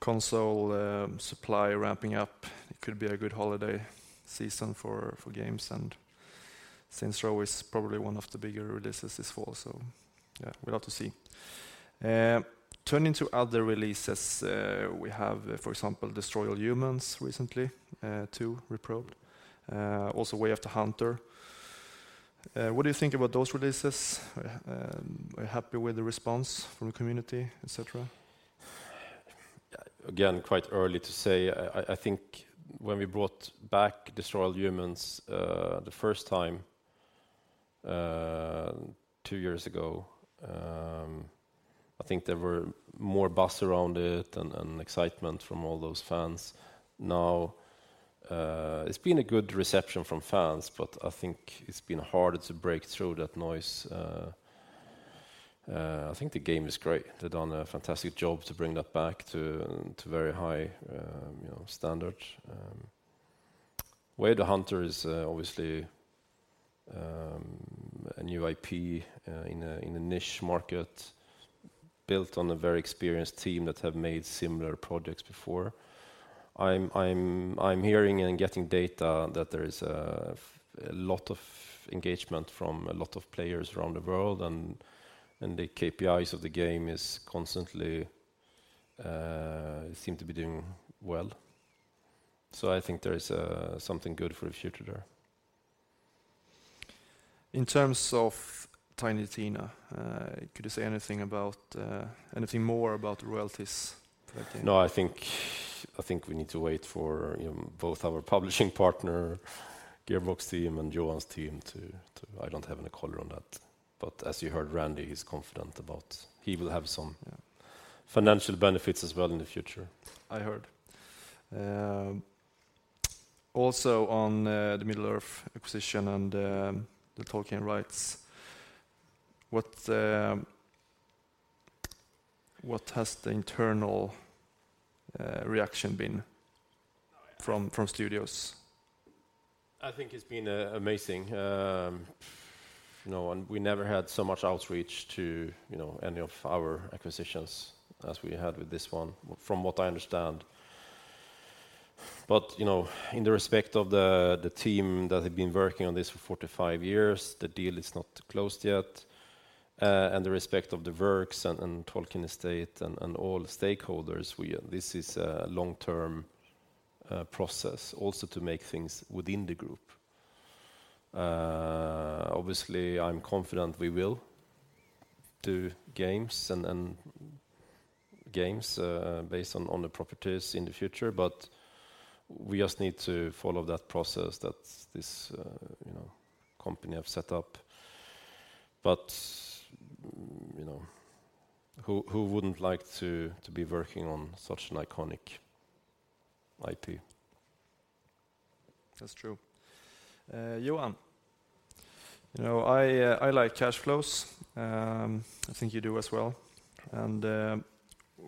console supply ramping up, it could be a good holiday season for games, and Saints Row is probably one of the bigger releases this fall. Yeah, we'll have to see. Turning to other releases, we have, for example, Destroy All Humans! 2: Reprobed recently, also Way of the Hunter. What do you think about those releases? Are you happy with the response from the community, et cetera? Again, quite early to say. I think when we brought back Destroy All Humans!, the first time, two years ago, I think there were more buzz around it and excitement from all those fans. Now, it's been a good reception from fans, but I think it's been harder to break through that noise. I think the game is great. They've done a fantastic job to bring that back to very high, you know, standards. Way of the Hunter is obviously a new IP in a niche market built on a very experienced team that have made similar projects before. I'm hearing and getting data that there is a lot of engagement from a lot of players around the world and the KPIs of the game is constantly seem to be doing well. I think there is something good for the future there. In terms of Tiny Tina, could you say anything more about the royalties for the game? No, I think we need to wait for, you know, both our publishing partner, Gearbox team, and Johan's team to. I don't have any color on that. As you heard, Randy is confident about he will have some. Yeah. Financial benefits as well in the future. I heard. Also on the Middle-earth acquisition and the Tolkien rights, what has the internal reaction been from studios? I think it's been amazing. You know, we never had so much outreach to, you know, any of our acquisitions as we had with this one, from what I understand. You know, in the respect of the team that had been working on this for 45 years, the deal is not closed yet. In the respect of the works and Tolkien Estate and all stakeholders, this is a long-term process also to make things within the group. Obviously, I'm confident we will do games and games based on the properties in the future, but we just need to follow that process that this company have set up. You know, who wouldn't like to be working on such an iconic IP? That's true. Johan, you know, I like cash flows. I think you do as well.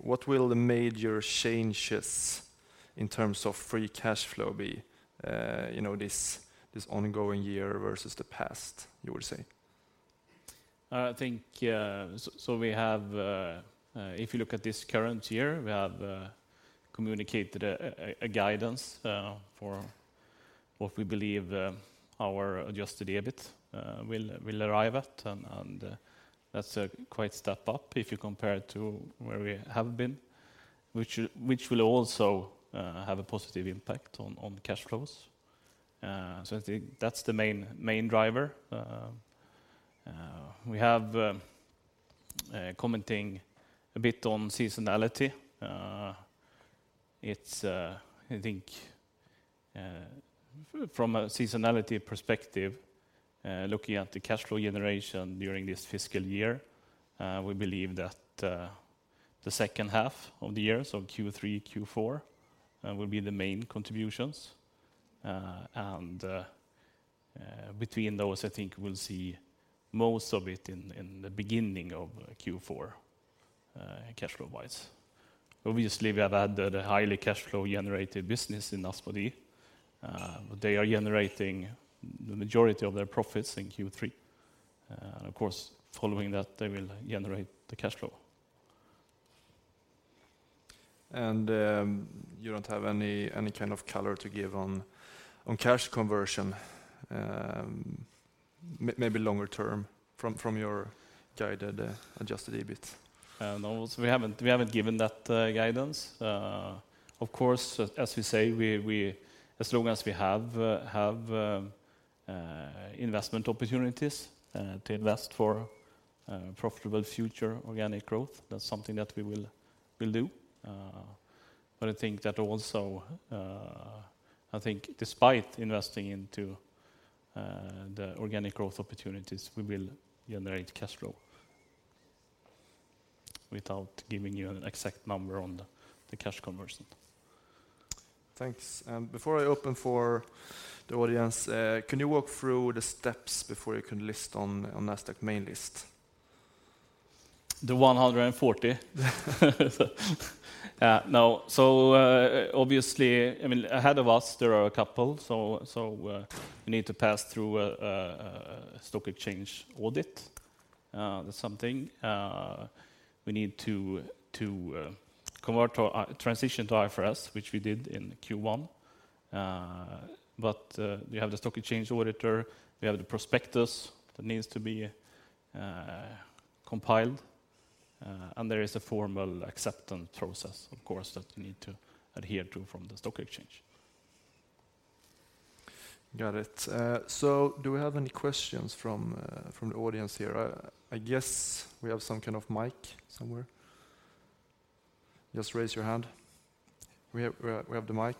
What will the major changes in terms of free cash flow be, you know, this ongoing year versus the past, you would say? I think so we have if you look at this current year we have communicated a guidance for what we believe our adjusted EBIT will arrive at and that's quite a step up if you compare it to where we have been which will also have a positive impact on cash flows. I think that's the main driver. We have commented a bit on seasonality. It's I think, from a seasonality perspective, looking at the cash flow generation during this fiscal year, we believe that the second half of the year, so Q3, Q4, will be the main contributions. Between those, I think we'll see most of it in the beginning of Q4, cash flow-wise. Obviously, we have had the highly cash flow generated business in Asmodee. They are generating the majority of their profits in Q3. Of course, following that, they will generate the cash flow. You don't have any kind of color to give on cash conversion, maybe longer term from your guided adjusted EBIT? No. We haven't given that guidance. Of course, as we say, as long as we have investment opportunities to invest for profitable future organic growth, that's something that we will do. I think that also, despite investing into the organic growth opportunities, we will generate cash flow without giving you an exact number on the cash conversion. Thanks. Before I open for the audience, can you walk through the steps before you can list on Nasdaq main list? The 140. No. Obviously, I mean, ahead of us, there are a couple. We need to pass through a stock exchange audit, that's something. We need to convert or transition to IFRS, which we did in Q1. We have the stock exchange auditor, we have the prospectus that needs to be compiled, and there is a formal acceptance process, of course, that you need to adhere to from the stock exchange. Got it. Do we have any questions from the audience here? I guess we have some kind of mic somewhere. Just raise your hand. We have the mic.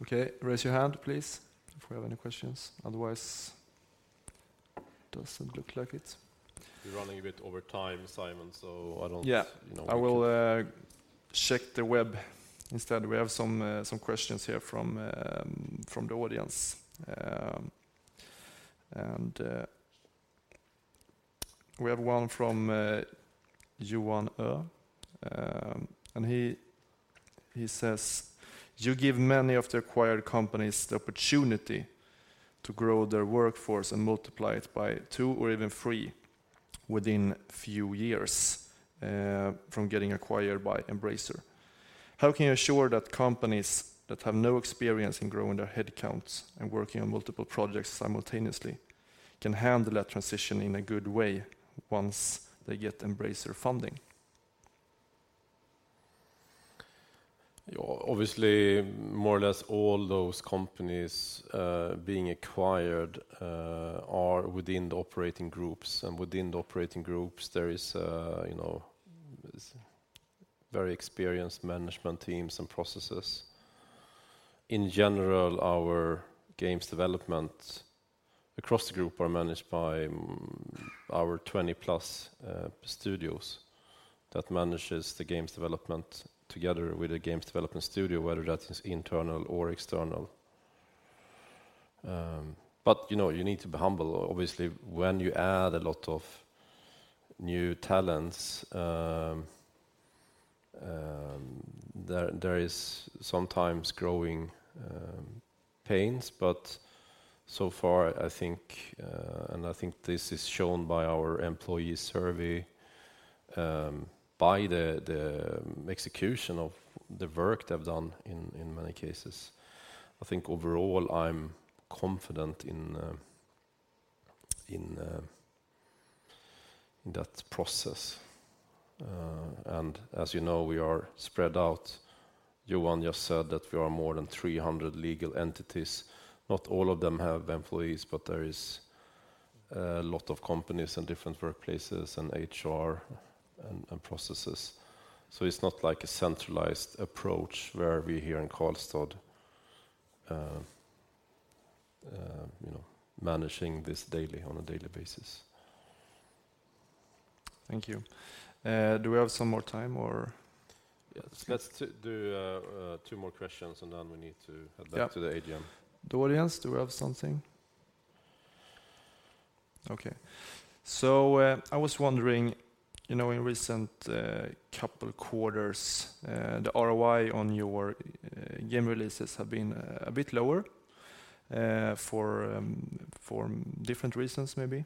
Okay, raise your hand, please, if we have any questions. Otherwise, doesn't look like it. We're running a bit over time, Simon, so I don't. Yeah. You know. I will check the web instead. We have some questions here from the audience. We have one from Johan O. He says, "You give many of the acquired companies the opportunity to grow their workforce and multiply it by two or even three within few years from getting acquired by Embracer. How can you ensure that companies that have no experience in growing their headcounts and working on multiple projects simultaneously can handle that transition in a good way once they get Embracer funding?" Yeah. Obviously, more or less all those companies being acquired are within the operating groups. Within the operating groups, there is, you know, very experienced management teams and processes. In general, our games development across the group are managed by our 20+ studios that manages the games development together with a games development studio, whether that is internal or external. You know, you need to be humble. Obviously, when you add a lot of new talents, there is sometimes growing pains. So far, I think, and I think this is shown by our employee survey, by the execution of the work they've done in many cases. I think overall I'm confident in that process. As you know, we are spread out. Johan just said that we are more than 300 legal entities. Not all of them have employees, but there is a lot of companies and different workplaces and HR and processes. It's not like a centralized approach where we here in Karlstad, you know, managing this daily on a daily basis. Thank you. Do we have some more time or? Yes. Let's do two more questions, and then we need to head back to the AGM. The audience, do we have something? Okay. I was wondering, you know, in recent couple quarters, the ROI on your game releases have been a bit lower for different reasons maybe.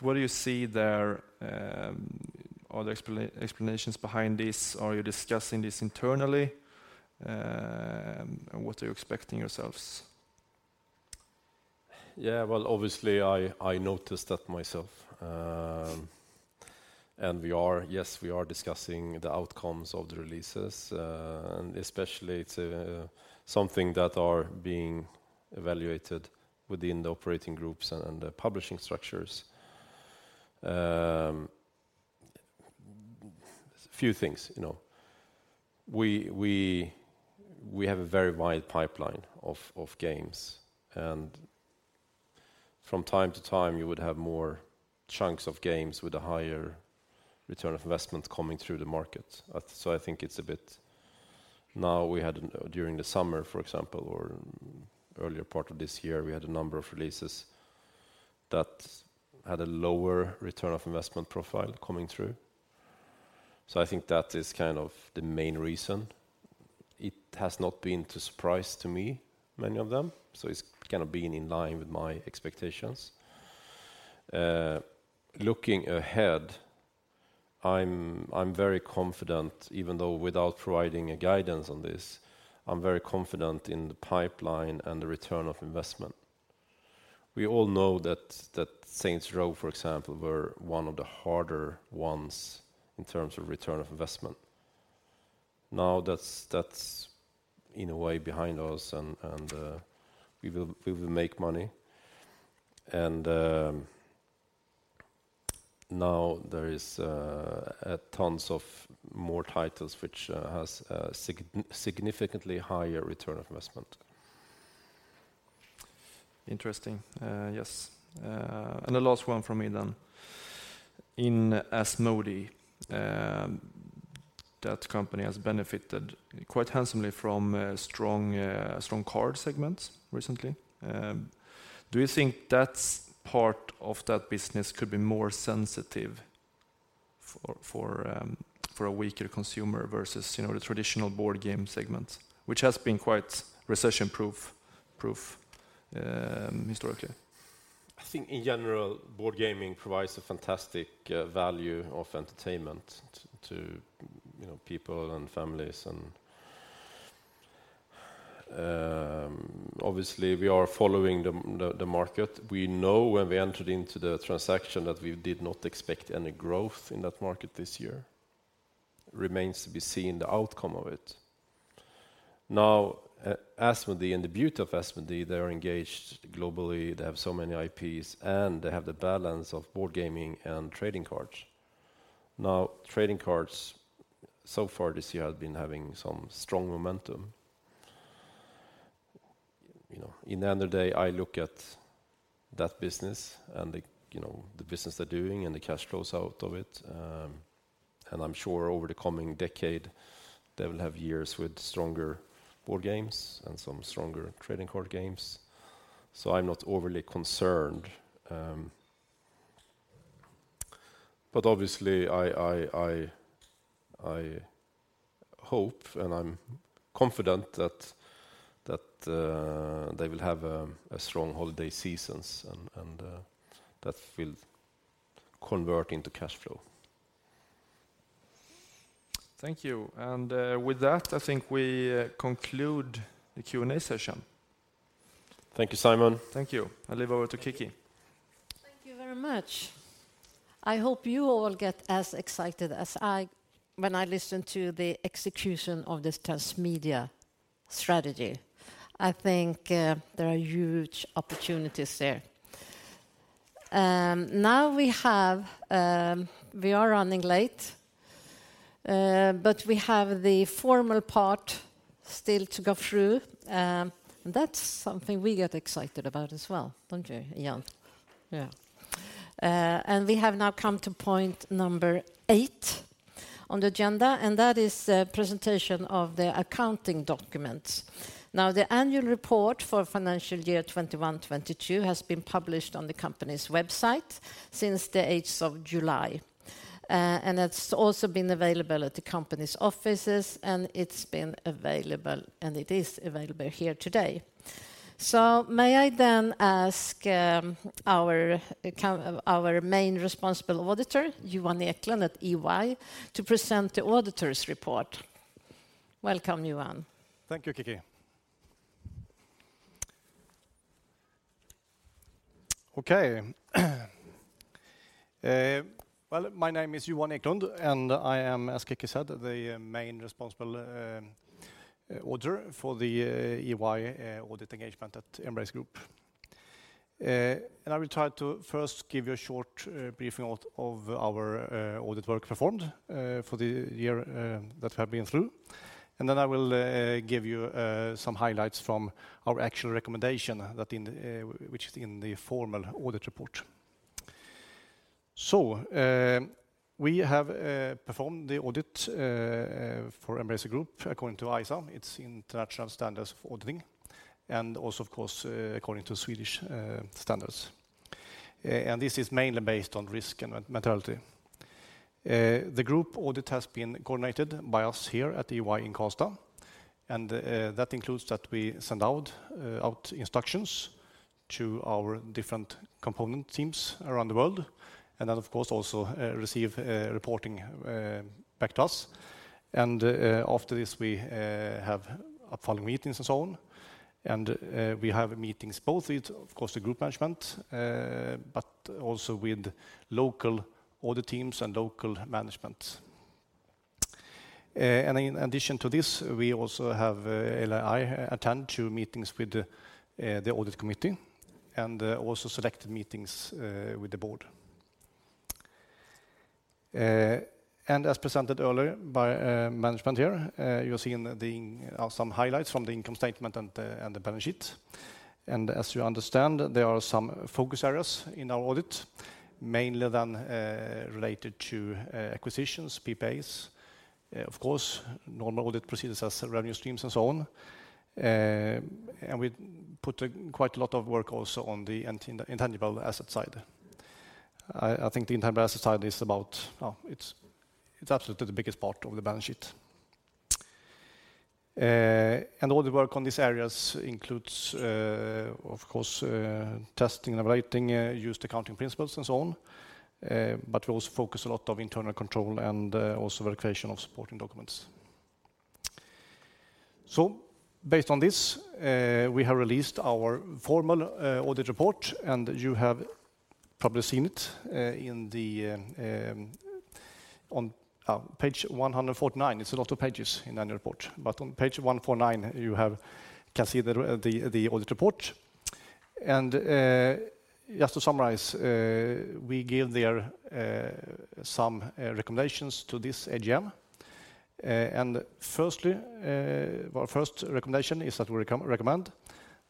What do you see there, are there explanations behind this? Are you discussing this internally? What are you expecting yourselves? Yeah. Well, obviously, I noticed that myself. We are discussing the outcomes of the releases, and especially it's something that are being evaluated within the operating groups and the publishing structures. A few things, you know. We have a very wide pipeline of games, and from time to time, you would have more chunks of games with a higher return on investment coming through the market. I think it's a bit. Now we had, during the summer, for example, or earlier part of this year, we had a number of releases that had a lower return on investment profile coming through. I think that is kind of the main reason. It has not been a surprise to me, many of them, so it's kind of been in line with my expectations. Looking ahead, I'm very confident, even though without providing a guidance on this, I'm very confident in the pipeline and the return on investment. We all know that Saints Row, for example, were one of the harder ones in terms of return on investment. Now that's in a way behind us and we will make money. Now there is tons of more titles which has significantly higher return on investment. Interesting. Yes. The last one from me then. In Asmodee, that company has benefited quite handsomely from strong card segments recently. Do you think that's part of that business could be more sensitive for a weaker consumer versus, you know, the traditional board game segment, which has been quite recession-proof historically? I think in general, board gaming provides a fantastic value of entertainment to, you know, people and families and, obviously we are following the market. We know when we entered into the transaction that we did not expect any growth in that market this year. Remains to be seen the outcome of it. Now, Asmodee and the beauty of Asmodee, they are engaged globally. They have so many IPs, and they have the balance of board gaming and trading cards. Now, trading cards so far this year have been having some strong momentum. You know, in the end of the day, I look at that business and the, you know, business they're doing and the cash flows out of it, and I'm sure over the coming decade, they will have years with stronger board games and some stronger trading card games. I'm not overly concerned, but obviously I hope and I'm confident that they will have a strong holiday seasons and that will convert into cash flow. Thank you. With that, I think we conclude the Q&A session. Thank you, Simon. Thank you. I'll leave over to Kicki. Thank you very much. I hope you all get as excited as I when I listen to the execution of this transmedia strategy. I think, there are huge opportunities there. Now we have, we are running late, but we have the formal part still to go through, and that's something we get excited about as well, don't you, Ian? Yeah. We have now come to point number eight on the agenda, and that is, presentation of the accounting documents. Now, the annual report for financial year 2021, 2022 has been published on the company's website since the 8th of July. It is also been available at the company's offices, and it is available here today. May I then ask, our main responsible auditor, Johan Eklund at EY, to present the auditor's report. Welcome, Johan. Thank you, Kicki. Okay. My name is Johan Eklund, and I am, as Kicki said, the main responsible auditor for the EY audit engagement at Embracer Group. I will try to first give you a short briefing of our audit work performed for the year that we have been through. I will give you some highlights from our actual recommendation, which is in the formal audit report. We have performed the audit for Embracer Group according to ISA, International Standards on Auditing, and also of course according to Swedish standards. This is mainly based on risk and materiality. The group audit has been coordinated by us here at EY in Karlstad, and that includes that we send out instructions to our different component teams around the world, and then of course also receive reporting back to us. After this, we have follow-up meetings and so on, and we have meetings both with, of course, the group management, but also with local audit teams and local management. In addition to this, we also have to attend two meetings with the audit committee and also selected meetings with the Board. As presented earlier by management here, you're seeing some highlights from the income statement and the balance sheet. As you understand, there are some focus areas in our audit, mainly then related to acquisitions, PPAs. Of course, normal audit procedures as revenue streams and so on. We put a quite a lot of work also on the intangible asset side. I think the intangible asset side is about, it's absolutely the biggest part of the balance sheet. All the work on these areas includes, of course, testing and evaluating used accounting principles and so on. But we also focus a lot on internal control and also verification of supporting documents. Based on this, we have released our formal audit report, and you have probably seen it in the on Page 149. It's a lot of pages in annual report. On Page 149, you can see the audit report. Just to summarize, we give there some recommendations to this AGM. Firstly, our first recommendation is that we recommend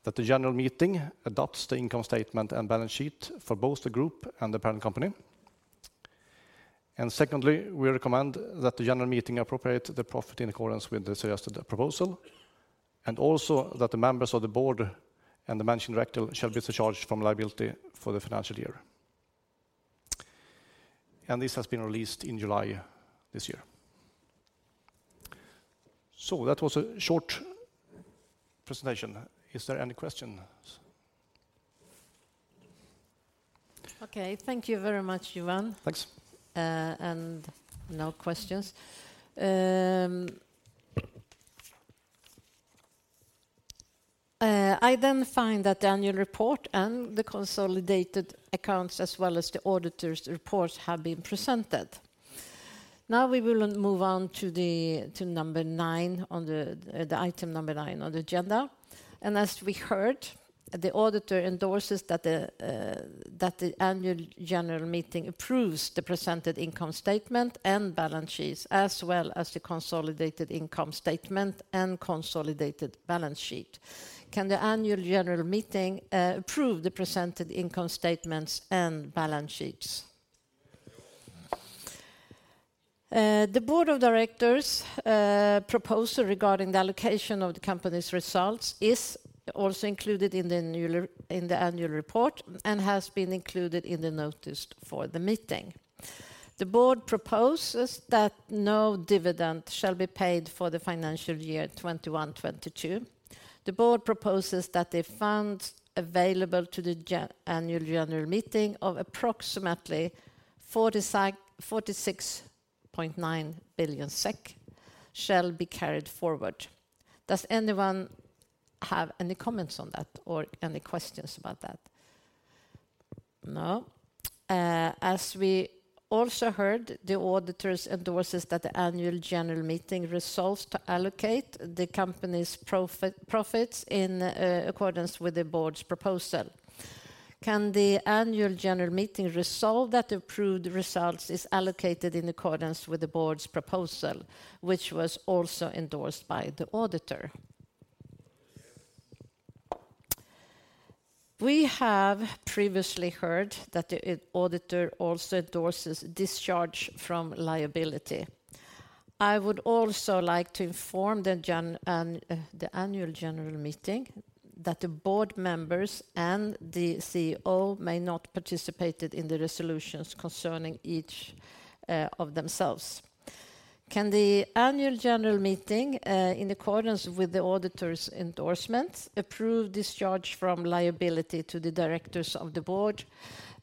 that the general meeting adopts the income statement and balance sheet for both the group and the parent company. Secondly, we recommend that the general meeting appropriate the profit in accordance with the suggested proposal, and also that the members of the Board and the mentioned director shall be discharged from liability for the financial year. This has been released in July this year. That was a short presentation. Is there any questions? Okay. Thank you very much, Johan. Thanks. No questions. I then find that the annual report and the consolidated accounts, as well as the auditor's reports have been presented. Now we will move on to the item number nine on the agenda. As we heard, the auditor endorses that the Annual General Meeting approves the presented income statement and balance sheets, as well as the consolidated income statement and consolidated balance sheet. Can the Annual General Meeting approve the presented income statements and balance sheets? Yes. The Board of Directors' proposal regarding the allocation of the company's results is also included in the annual report and has been included in the notice for the meeting. The Board proposes that no dividend shall be paid for the financial year 2021-2022. The Board proposes that the funds available to the Annual General Meeting of approximately 46.9 billion SEK shall be carried forward. Does anyone have any comments on that or any questions about that? No. As we also heard, the auditors endorses that the Annual General Meeting resolves to allocate the company's profits in accordance with the Board's proposal. Can the Annual General Meeting resolve that approved results is allocated in accordance with the Board's proposal, which was also endorsed by the auditor? Yes. We have previously heard that the auditor also endorses discharge from liability. I would also like to inform the Annual General Meeting that the Board members and the CEO may not participate in the resolutions concerning each of themselves. Can the Annual General Meeting in accordance with the auditor's endorsement approve discharge from liability to the directors of the Board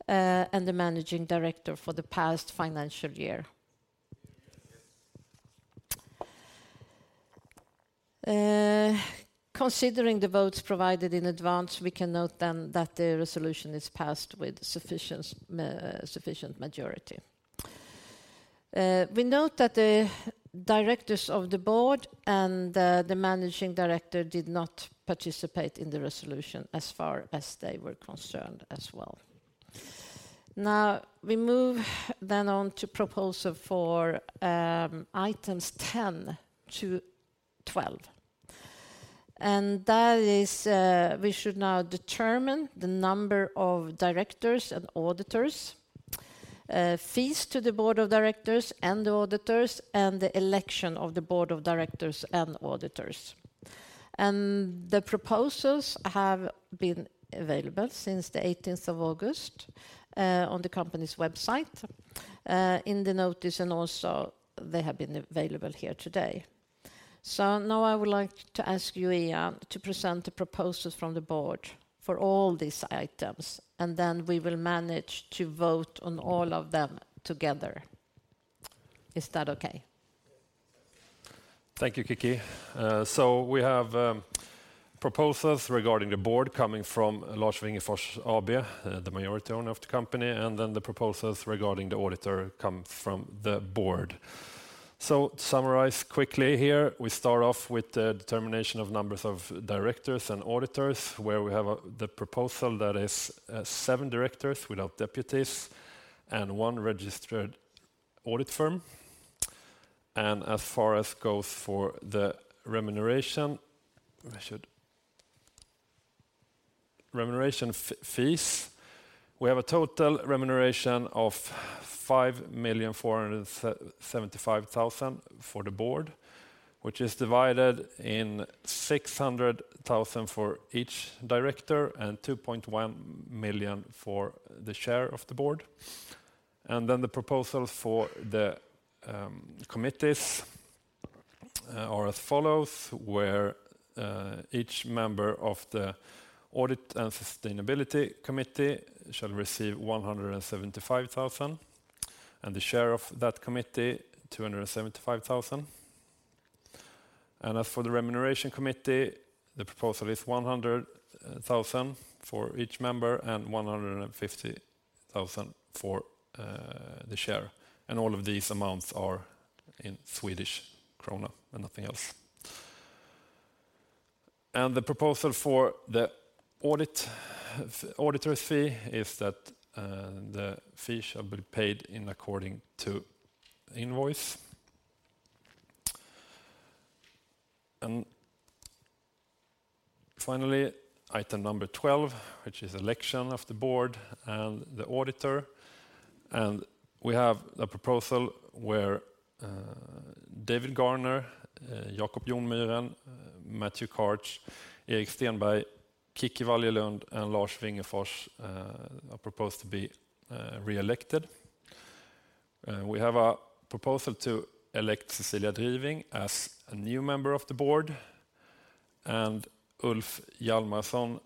and the managing director for the past financial year? Yes. Considering the votes provided in advance, we can note that the resolution is passed with sufficient majority. We note that the directors of the Board and the managing director did not participate in the resolution as far as they were concerned as well. Now, we move then on to proposal for items 10 to 12. That is, we should now determine the number of directors and auditors, fees to the Board of Directors and the auditors, and the election of the Board of Directors and auditors. The proposals have been available since the 18th of August on the company's website in the notice, and also they have been available here today. Now I would like to ask you, Ian, to present the proposals from the Board for all these items, and then we will manage to vote on all of them together. Is that okay? Thank you, Kicki. We have proposals regarding the Board coming from Lars Wingefors AB, the majority owner of the company, and then the proposals regarding the auditor come from the Board. To summarize quickly here, we start off with the determination of number of directors and auditors, where we have the proposal that is seven directors without deputies and one registered audit firm. As far as remuneration goes, remuneration fees, we have a total remuneration of 5.475 million for the Board, which is divided into 600,000 for each director and 2.1 million for the Chair of the Board. The proposal for the committees are as follows, where each member of the audit and sustainability committee shall receive 175,000, and the Chair of that committee, 275,000. As for the remuneration committee, the proposal is 100,000 for each member and 150,000 for the Chair. All of these amounts are in Swedish krona and nothing else. The proposal for the auditor's fee is that the fee shall be paid according to invoice. Finally, item number 12, which is election of the Board and the auditor. We have a proposal where David Gardner, Jacob Jonmyren, Matthew Karch, Erik Stenberg, Kicki Wallje-Lund, and Lars Wingefors are proposed to be reelected. We have a proposal to elect Cecilia Driving as a new member of the board. Ulf Hjalmarsson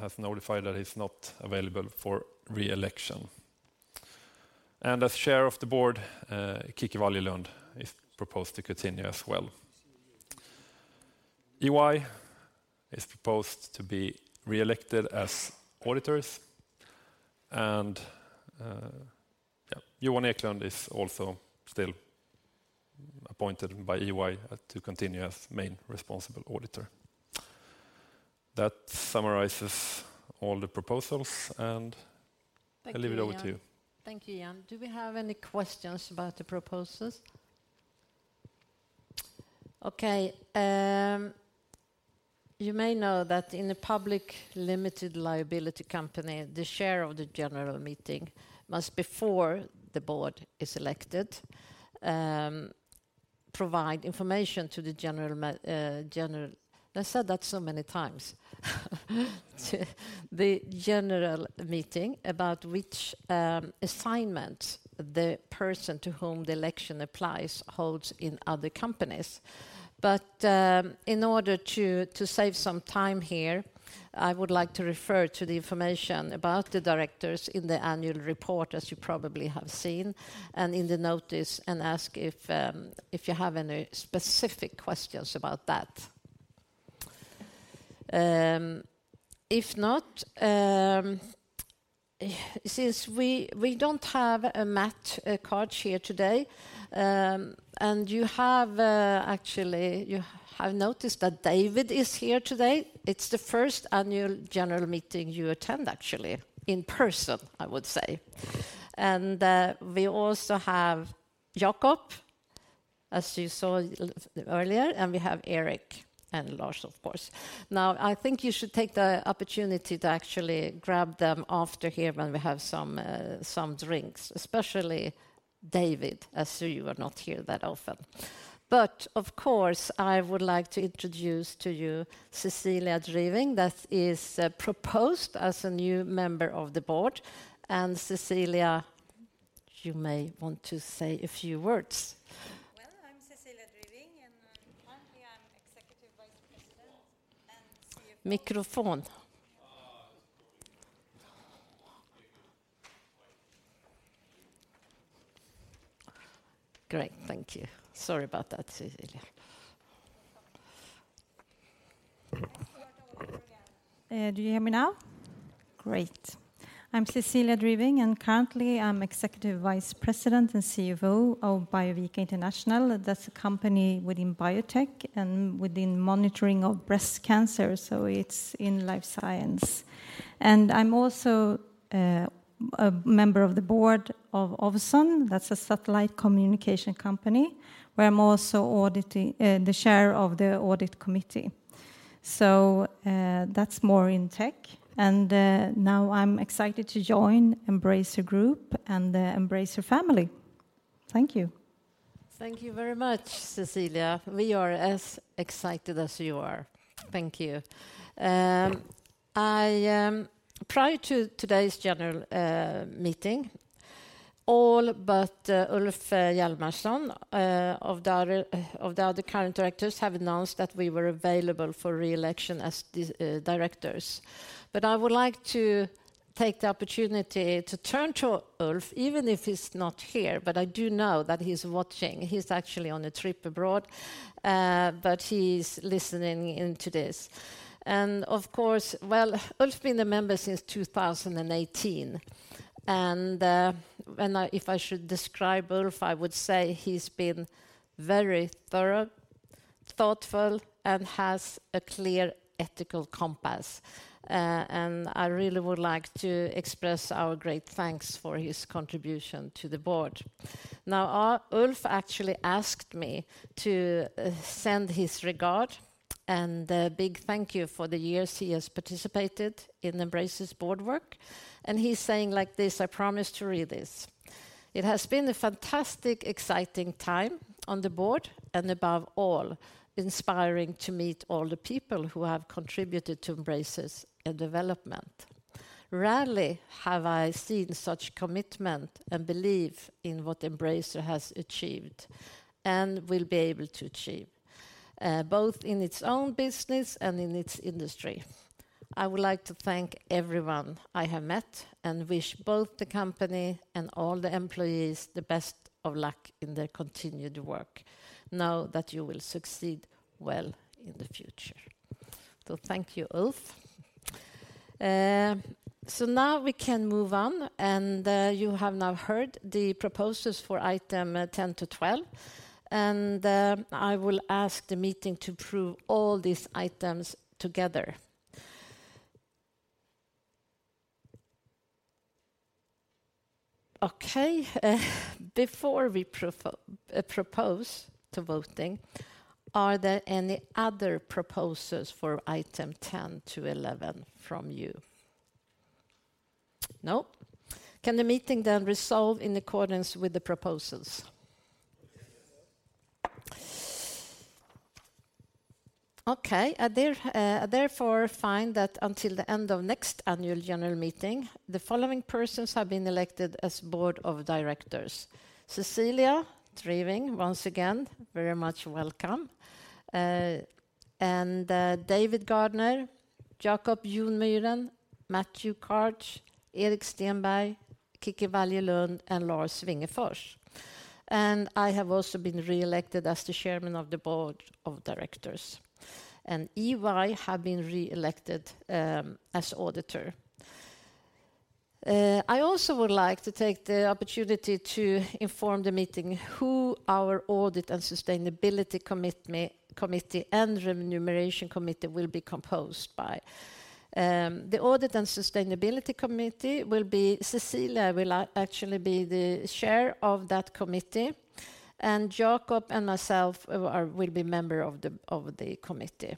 has notified that he's not available for reelection. As Chair of the Board, Kicki Wallje-Lund is proposed to continue as well. EY is proposed to be reelected as auditors. Johan Eklund is also still appointed by EY to continue as main responsible auditor. That summarizes all the proposals, and I'll leave it over to you. Thank you, Ian. Do we have any questions about the proposals? Okay. You may know that in a public limited liability company, the chair of the general meeting must, before the Board is elected, provide information to the general, I said that so many times, to the general meeting about which assignment the person to whom the election applies holds in other companies. In order to save some time here, I would like to refer to the information about the directors in the annual report as you probably have seen and in the notice and ask if you have any specific questions about that. If not, since we don't have Matt Karch here today, and you have actually noticed that David is here today. It's the first Annual General Meeting you attend actually in person, I would say. We also have Jacob, as you saw earlier, and we have Erik and Lars, of course. Now, I think you should take the opportunity to actually grab them after here when we have some drinks, especially David, as you are not here that often. Of course, I would like to introduce to you Cecilia Driving that is proposed as a new member of the Board. Cecilia, you may want to say a few words. Well, I'm Cecilia Driving, and currently I'm Executive Vice President and CFO. Microphone. Great. Thank you. Sorry about that, Cecilia. Do you hear me now? Great. I'm Cecilia Driving, and currently I'm Executive Vice President and CFO of Biovica International. That's a company within biotech and within monitoring of breast cancer, so it's in life science. I'm also a member of the Board of Ovzon. That's a satellite communication company, where I'm also the Chair of the Audit Committee. That's more in tech. Now I'm excited to join Embracer Group and the Embracer family. Thank you. Thank you very much, Cecilia. We are as excited as you are. Thank you. Prior to today's general meeting, all but Ulf Hjalmarsson of the other current directors have announced that we were available for reelection as these directors. I would like to take the opportunity to turn to Ulf, even if he's not here, but I do know that he's watching. He's actually on a trip abroad, but he's listening in to this. Well, Ulf's been a member since 2018, and if I should describe Ulf, I would say he's been very thorough, thoughtful, and has a clear ethical compass. I really would like to express our great thanks for his contribution to the Board. Now, Ulf actually asked me to send his regards and a big thank you for the years he has participated in Embracer's Board work. He's saying like this, I promise to read this. "It has been a fantastic, exciting time on the Board, and above all, inspiring to meet all the people who have contributed to Embracer's development. Rarely have I seen such commitment and belief in what Embracer has achieved and will be able to achieve, both in its own business and in its industry. I would like to thank everyone I have met and wish both the company and all the employees the best of luck in their continued work. Know that you will succeed well in the future." Thank you, Ulf. Now we can move on, and you have now heard the proposals for item 10 to 12. I will ask the meeting to approve all these items together. Okay. Before we proceed to voting, are there any other proposals for item 10 to 11 from you? No. Can the meeting then resolve in accordance with the proposals? Yes. I therefore find that until the end of next Annual General Meeting, the following persons have been elected as Board of Directors. Cecilia Driving, once again, very much welcome. David Gardner, Jacob Jonmyren, Matthew Karch, Erik Stenberg, Kicki Wallje-Lund, and Lars Wingefors. I have also been reelected as the Chairman of the Board of Directors, and EY have been reelected as auditor. I also would like to take the opportunity to inform the meeting who our audit and sustainability committee and remuneration committee will be composed by. The audit and sustainability committee will be. Cecilia will actually be the chair of that committee, and Jacob and myself will be members of the committee.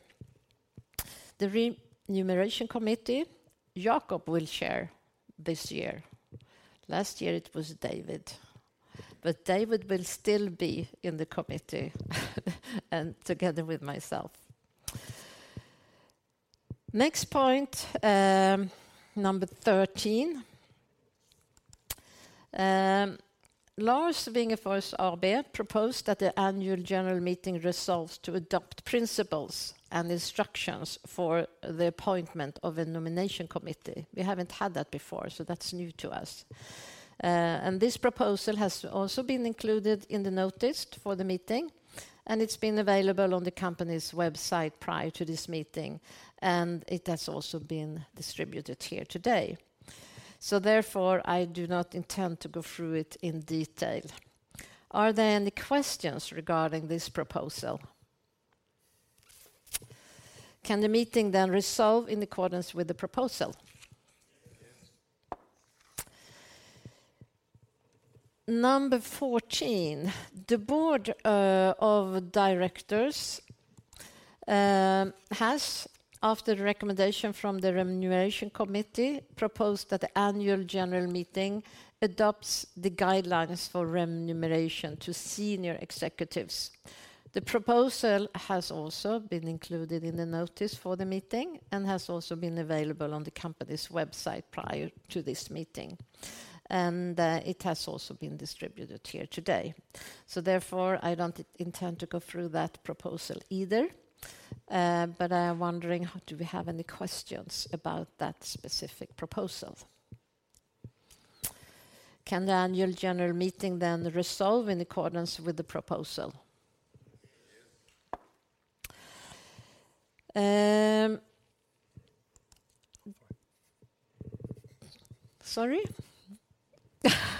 The remuneration committee, Jacob will chair this year. Last year, it was David. David will still be in the committee, and together with myself. Next point, number 13. Lars Wingefors AB proposed that the Annual General Meeting resolves to adopt principles and instructions for the appointment of a nomination committee. We haven't had that before, so that's new to us. This proposal has also been included in the notice for the meeting, and it's been available on the company's website prior to this meeting, and it has also been distributed here today. Therefore, I do not intend to go through it in detail. Are there any questions regarding this proposal? Can the meeting then resolve in accordance with the proposal? Yes. Number 14, the Board of Directors has, after recommendation from the remuneration committee, proposed that the Annual General Meeting adopts the guidelines for remuneration to senior executives. The proposal has also been included in the notice for the meeting and has also been available on the company's website prior to this meeting, and it has also been distributed here today. Therefore, I don't intend to go through that proposal either. I am wondering, do we have any questions about that specific proposal? Can the Annual General Meeting resolve in accordance with the proposal? Yes. Sorry? You pressed the button.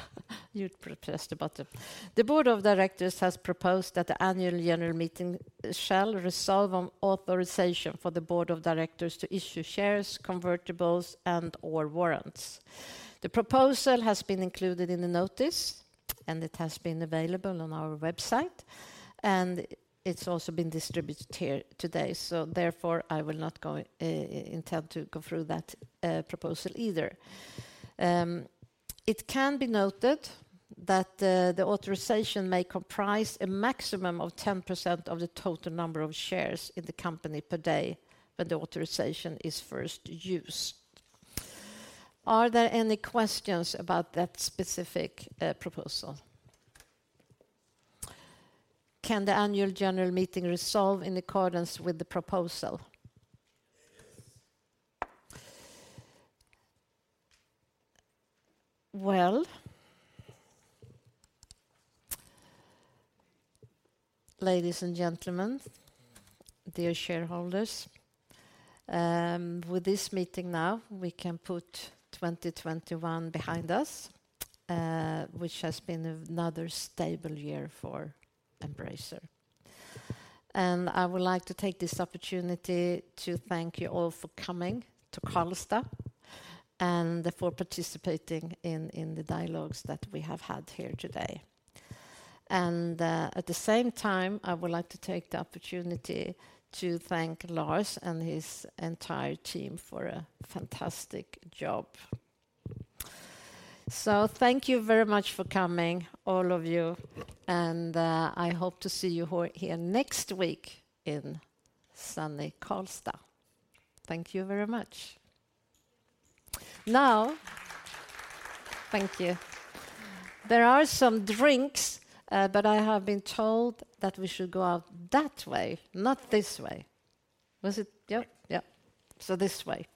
The Board of Directors has proposed that the Annual General Meeting shall resolve on authorization for the Board of Directors to issue shares, convertibles, and/or warrants. The proposal has been included in the notice, and it has been available on our website, and it's also been distributed here today. I will not intend to go through that proposal either. It can be noted that the authorization may comprise a maximum of 10% of the total number of shares in the company per day when the authorization is first used. Are there any questions about that specific proposal? Can the Annual General Meeting resolve in accordance with the proposal? Yes. Well, ladies and gentlemen, dear shareholders, with this meeting now, we can put 2021 behind us, which has been another stable year for Embracer. I would like to take this opportunity to thank you all for coming to Karlstad and for participating in the dialogues that we have had here today. At the same time, I would like to take the opportunity to thank Lars and his entire team for a fantastic job. Thank you very much for coming, all of you, and I hope to see you here next week in sunny Karlstad. Thank you very much. Thank you. There are some drinks, but I have been told that we should go out that way, not this way. Was it? Yep. Yep. This way. Well done.